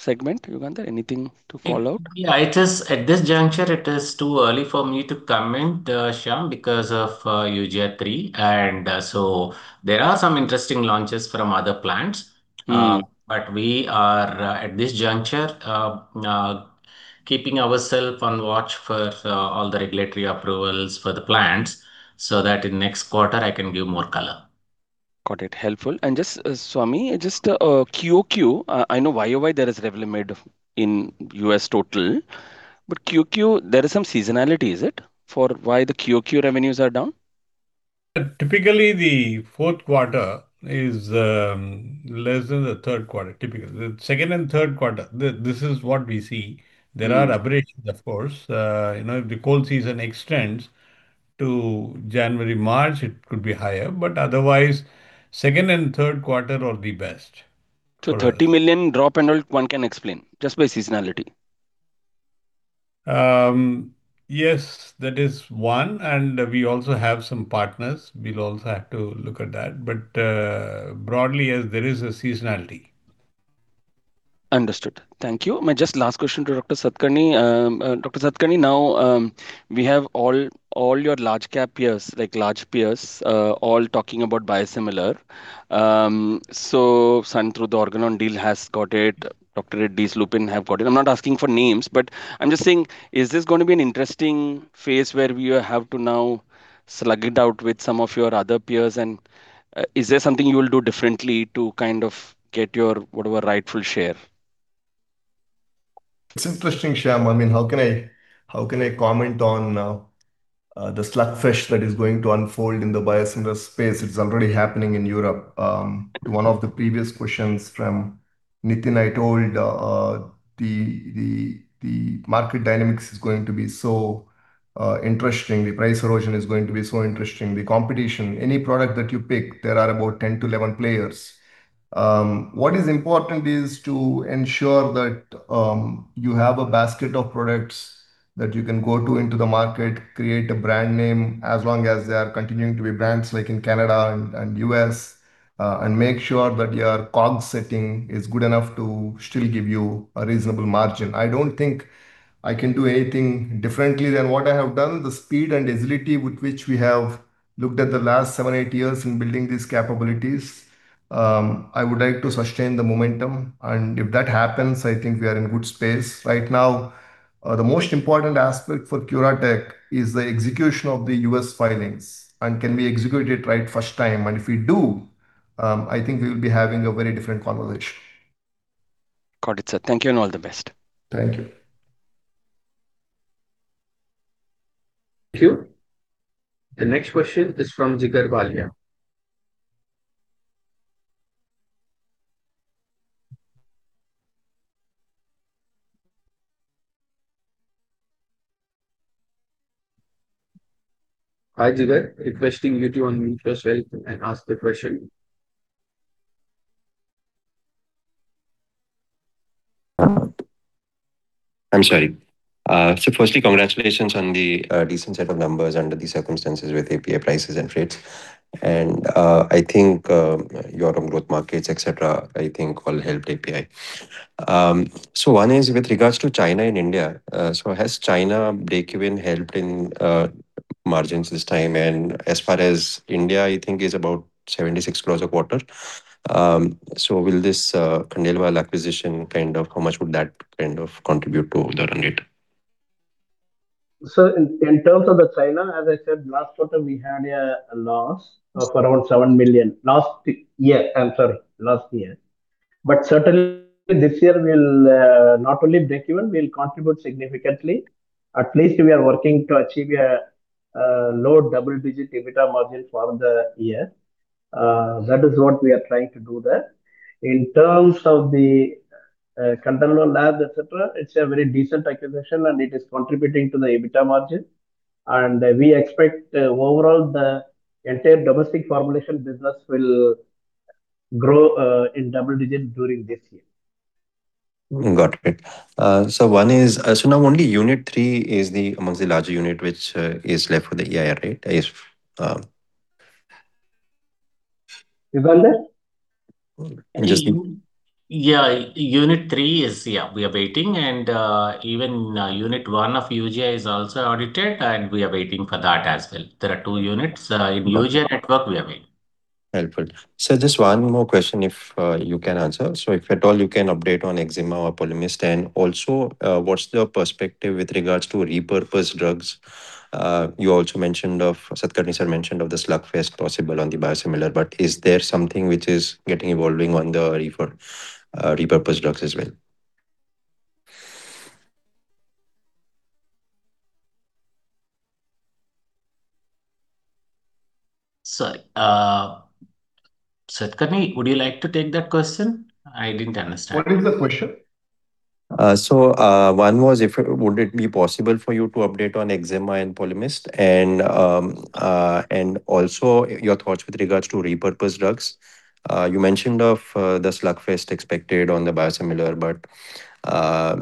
segment, Yugandhar? Anything to call out? At this juncture, it is too early for me to comment, Shyam, because of [EU GSP]. There are some interesting launches from other plants. We are, at this juncture, keeping ourself on watch for all the regulatory approvals for the plants so that in next quarter I can give more color. Got it. Helpful. Just, Swami, just quarter-over-quarter, I know year-over-year there is Revlimid in U.S. total, but quarter-over-quarter, there is some seasonality, is it, for why the quarter-over-quarter revenues are down? Typically, the fourth quarter is less than the third quarter. Typically. The second and third quarter, this is what we see. There are aberrations, of course. If the cold season extends to January, March, it could be higher, but otherwise, second and third quarter are the best. 30 million drop and all one can explain just by seasonality? Yes, that is one, and we also have some partners. We'll also have to look at that. Broadly, yes, there is a seasonality. Understood. Thank you. My just last question to Dr. Satakarni, now we have all your large cap peers, like large peers, all talking about biosimilar. Sun Pharma through the Organon deal has got it. Dr. Reddy's, Lupin have got it. I'm not asking for names, but I'm just saying, is this going to be an interesting phase where we have to now slug it out with some of your other peers? Is there something you will do differently to kind of get your rightful share? It's interesting, Shyam. How can I comment on the slug fest that is going to unfold in the biosimilar space? It's already happening in Europe. To one of the previous questions from Nitin, I told the market dynamics is going to be so interesting. The price erosion is going to be so interesting. The competition, any product that you pick, there are about 10 to 11 players. What is important is to ensure that you have a basket of products that you can go to into the market, create a brand name, as long as they are continuing to be brands like in Canada and U.S., and make sure that your COGS setting is good enough to still give you a reasonable margin. I don't think I can do anything differently than what I have done. The speed and agility with which we have looked at the last seven, eight years in building these capabilities, I would like to sustain the momentum, and if that happens, I think we are in good space. Right now, the most important aspect for CuraTeQ is the execution of the U.S. filings, and can we execute it right first time? If we do, I think we'll be having a very different conversation. Got it, sir. Thank you and all the best. Thank you. Thank you. The next question is from Jigar Valia. Hi, Jigar. Requesting you to unmute yourself and ask the question. I'm sorry. Firstly, congratulations on the decent set of numbers under these circumstances with API prices and freights. I think your own growth markets, et cetera, I think all helped API. One is with regards to China and India. Has China breakeven helped in margins this time? As far as India, I think is about 76 crore a quarter. Will this Khandelwal acquisition, how much would that contribute to the run rate? Sir, in terms of the China, as I said, last quarter, we had a loss of around 7 million. Last year, I'm sorry. Last year. Certainly, this year we'll not only break even, we'll contribute significantly. At least we are working to achieve a low double-digit EBITDA margin for the year. That is what we are trying to do there. In terms of the Khandelwal Laboratories, et cetera, it's a very decent acquisition, and it is contributing to the EBITDA margin. We expect overall the entire domestic formulation business will grow in double-digit during this year. Got it. Now only Unit 3 is amongst the larger unit which is left for the EIR, right? Yugandhar? Yeah. Unit 3, yeah, we are waiting. Even unit 1 of Eugia is also audited. We are waiting for that as well. There are 2 units. In Eugia network, we are waiting. Helpful. Sir, just one more question if you can answer. If at all you can update on Eczema or Pomalyst, and also what's the perspective with regards to repurposed drugs. You also mentioned, Satakarni sir mentioned of the slugfest possible on the biosimilar, is there something which is getting evolving on the repurposed drugs as well? Sir, Satakarni, would you like to take that question? I didn't understand. What is the question? One was, would it be possible for you to update on Eczema and Pomalyst, and also your thoughts with regards to repurposed drugs. You mentioned of the slugfest expected on the biosimilar, but I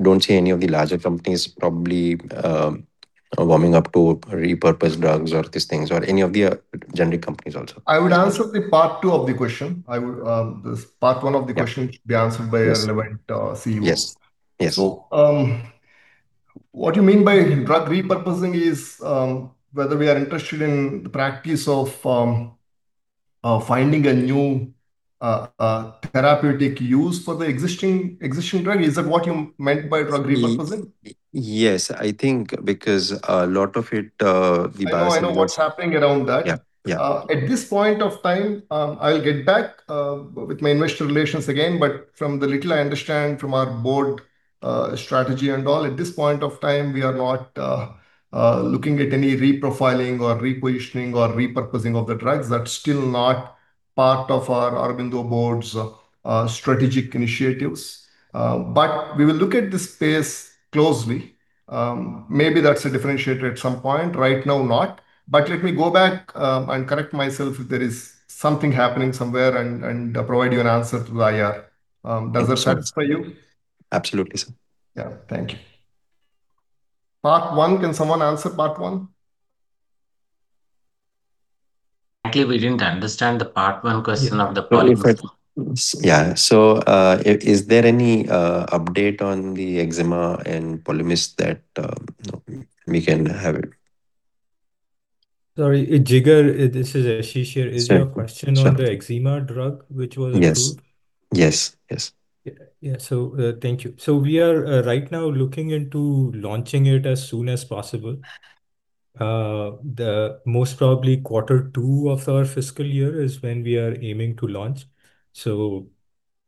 don't see any of the larger companies probably warming up to repurposed drugs or these things, or any of the generic companies also. I would answer the part 2 of the question. Part 1 of the question- Yeah should be answered by relevant CEOs. Yes. What you mean by drug repurposing is whether we are interested in the practice of finding a new therapeutic use for the existing drug. Is that what you meant by drug repurposing? Yes, I think because a lot of it. I know what's happening around that. Yeah. At this point of time, I'll get back with my investor relations again, but from the little I understand from our board strategy and all, at this point of time, we are not looking at any reprofiling or repositioning or repurposing of the drugs. That's still not part of our Aurobindo board's strategic initiatives. We will look at this space closely. Maybe that's a differentiator at some point, right now not. Let me go back and correct myself if there is something happening somewhere and provide you an answer. Does that satisfy you? Absolutely, sir. Yeah. Thank you. Part one, can someone answer part one? Actually, we didn't understand the part 1 question of the Pomalyst. Is there any update on the eczema and Pomalyst that we can have it? Sorry, Jigar, this is Ashish here. Sir. Is your question on the Eczema drug which was approved? Yes. Yeah. Thank you. We are right now looking into launching it as soon as possible. The most probably quarter two of our fiscal year is when we are aiming to launch.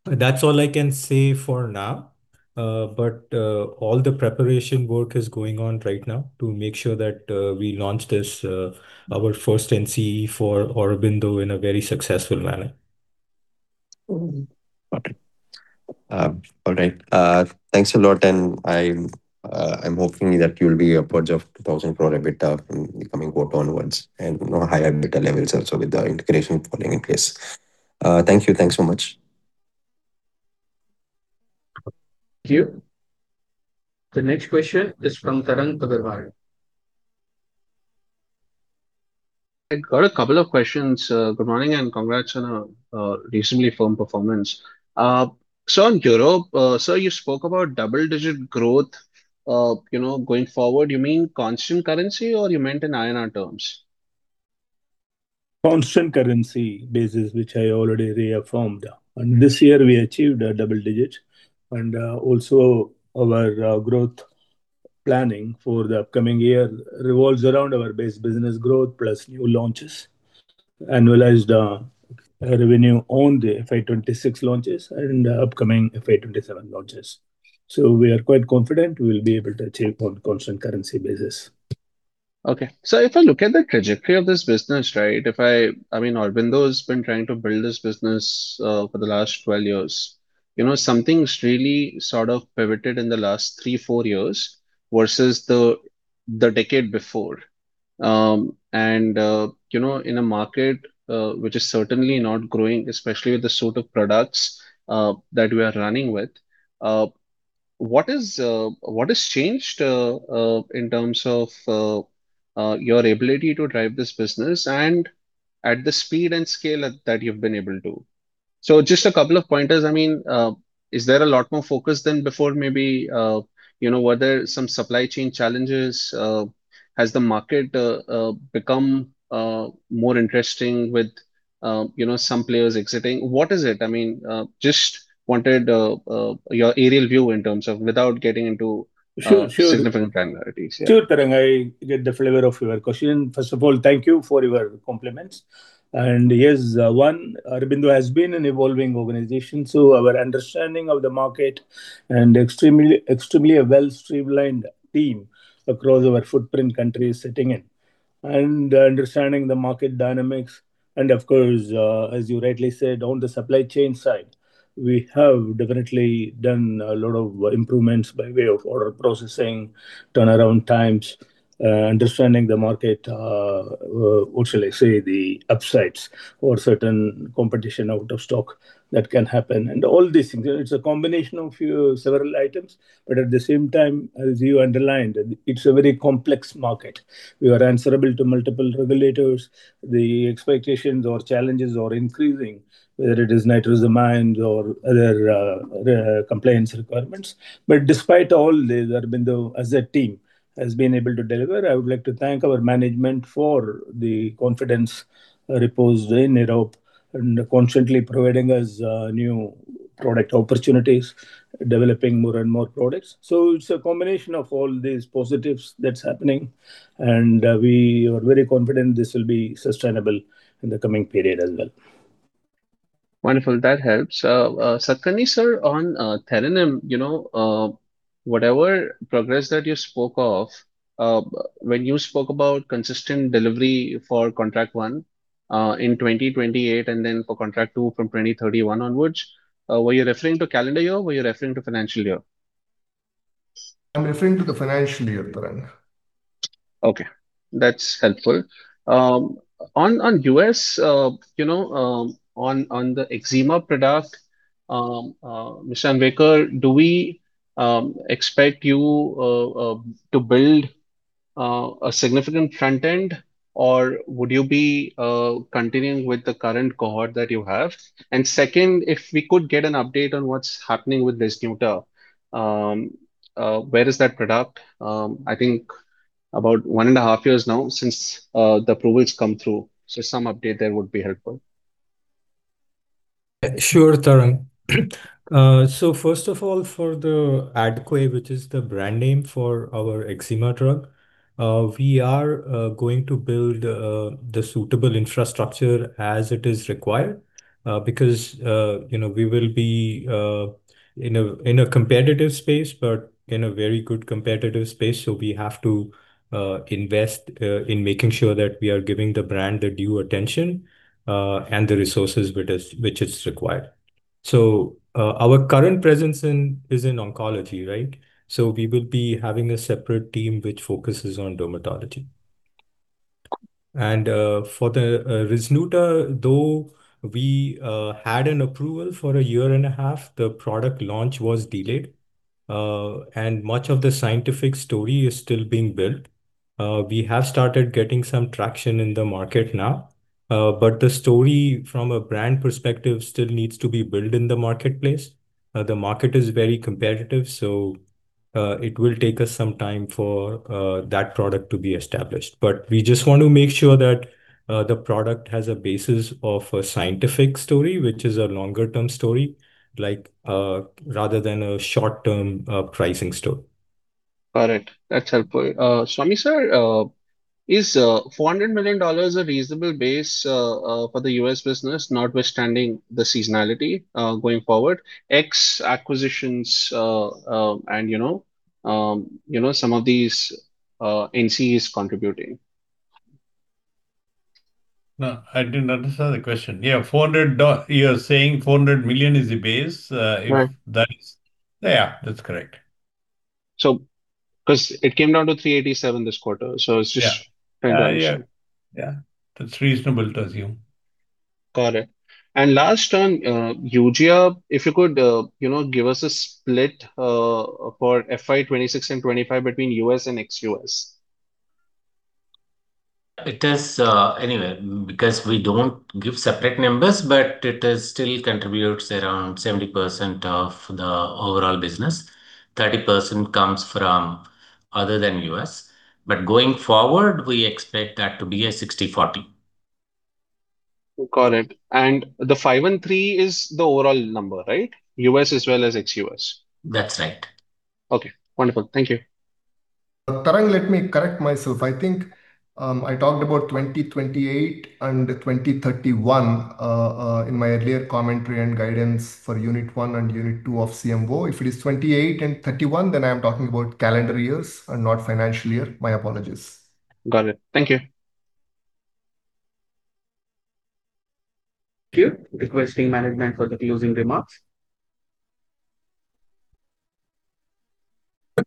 That's all I can say for now. All the preparation work is going on right now to make sure that we launch our first NCE for Aurobindo in a very successful manner. Okay. All right. Thanks a lot. I'm hoping that you'll be upwards of 2,000 for EBITDA from coming quarters onwards and higher EBITDA levels also with the integration falling in place. Thank you. Thanks so much. Thank you. The next question is from Tarang Agrawal. I got a couple of questions. Good morning, congrats on a recently firm performance. In Europe, sir, you spoke about double-digit growth. Going forward, you mean constant currency or you meant in INR terms? Constant currency basis, which I already reaffirmed. This year we achieved double-digit and also our growth planning for the upcoming year revolves around our base business growth plus new launches. Annualized revenue on the FY 2026 launches and upcoming FY 2027 launches. We are quite confident we'll be able to achieve on constant currency basis. Okay. If I look at the trajectory of this business, right? Aurobindo's been trying to build this business for the last 12 years. Something's really sort of pivoted in the last three, four years versus the decade before. In a market which is certainly not growing, especially with the sort of products that we are running with, what has changed in terms of your ability to drive this business and at the speed and scale that you've been able to? Just a couple of pointers. Is there a lot more focus than before maybe? Were there some supply chain challenges? Has the market become more interesting with some players exiting? What is it? Just wanted your aerial view in terms of, without getting into- Sure significant granularities. Yeah. Sure, Tarang, I get the flavor of your question. First of all, thank you for your compliments. Yes, one, Aurobindo has been an evolving organization, so our understanding of the market and extremely well streamlined team across our footprint countries sitting in. Understanding the market dynamics. Of course, as you rightly said, on the supply chain side, we have definitely done a lot of improvements by way of order processing, turnaround times, understanding the market, what should I say, the upsides or certain competition out of stock that can happen, and all these things. It's a combination of several items. At the same time, as you underlined, it's a very complex market. We are answerable to multiple regulators. The expectations or challenges are increasing, whether it is nitrosamine or other compliance requirements. Despite all this, Aurobindo as a team has been able to deliver. I would like to thank our management for the confidence reposed in it, and constantly providing us new product opportunities, developing more and more products. It's a combination of all these positives that's happening, and we are very confident this will be sustainable in the coming period as well. Wonderful. That helps. Satakarni sir, on Theranum, whatever progress that you spoke of when you spoke about consistent delivery for contract one in 2028 and then for contract two from 2031 onwards, were you referring to calendar year or were you referring to financial year? I'm referring to the financial year, Tarang. Okay, that's helpful. On U.S., on the eczema product, Mr Anvekar, do we expect you to build a significant front end or would you be continuing with the current cohort that you have? Second, if we could get an update on what's happening with Ryzneuta. Where is that product? I think about one and a half years now since the approval's come through, so some update there would be helpful. Sure, Tarang. First of all, for the ADQUEY, which is the brand name for our eczema drug, we are going to build the suitable infrastructure as it is required. We will be in a competitive space, but in a very good competitive space, so we have to invest in making sure that we are giving the brand the due attention, and the resources which is required. Our current presence is in oncology, right? We will be having a separate team which focuses on dermatology. For the Ryzneuta, though we had an approval for a year and a half, the product launch was delayed. Much of the scientific story is still being built. We have started getting some traction in the market now, but the story from a brand perspective still needs to be built in the marketplace. The market is very competitive. It will take us some time for that product to be established. We just want to make sure that the product has a basis of a scientific story, which is a longer-term story, rather than a short-term pricing story. All right. That's helpful. Swami sir, is $400 million a reasonable base for the U.S. business, notwithstanding the seasonality, going forward? Ex- acquisitions and some of these NCEs contributing. No, I didn't understand the question. Yeah, you're saying 400 million is the base? Right. Yeah, that's correct. Because it came down to $387 million this quarter. Yeah. Kind of- Yeah. That's reasonable to assume. Got it. Last one, Eugia, if you could give us a split for FY 2026 and 2025 between U.S. and ex-U.S. Anyway, because we don't give separate numbers, but it still contributes around 70% of the overall business. 30% comes from other than U.S. Going forward, we expect that to be a 60/40. Got it. The 513 is the overall number, right? U.S. as well as ex-U.S. That's right. Okay, wonderful. Thank you. Tarang, let me correct myself. I think I talked about 2028 and 2031 in my earlier commentary and guidance for unit 1 and unit 2 of CMO. If it is 2028 and 2031, then I'm talking about calendar years and not financial year. My apologies. Got it. Thank you. Thank you. Requesting management for the closing remarks. Thank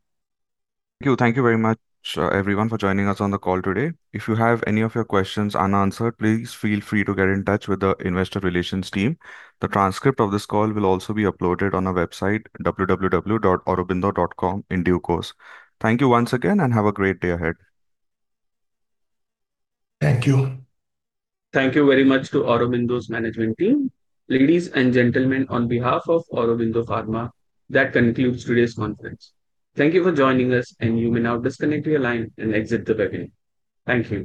you. Thank you very much, everyone, for joining us on the call today. If you have any of your questions unanswered, please feel free to get in touch with the investor relations team. The transcript of this call will also be uploaded on our website, www.aurobindo.com, in due course. Thank you once again, and have a great day ahead. Thank you. Thank you very much to Aurobindo's management team. Ladies and gentlemen, on behalf of Aurobindo Pharma, that concludes today's conference. Thank you for joining us. You may now disconnect your line and exit the webinar. Thank you.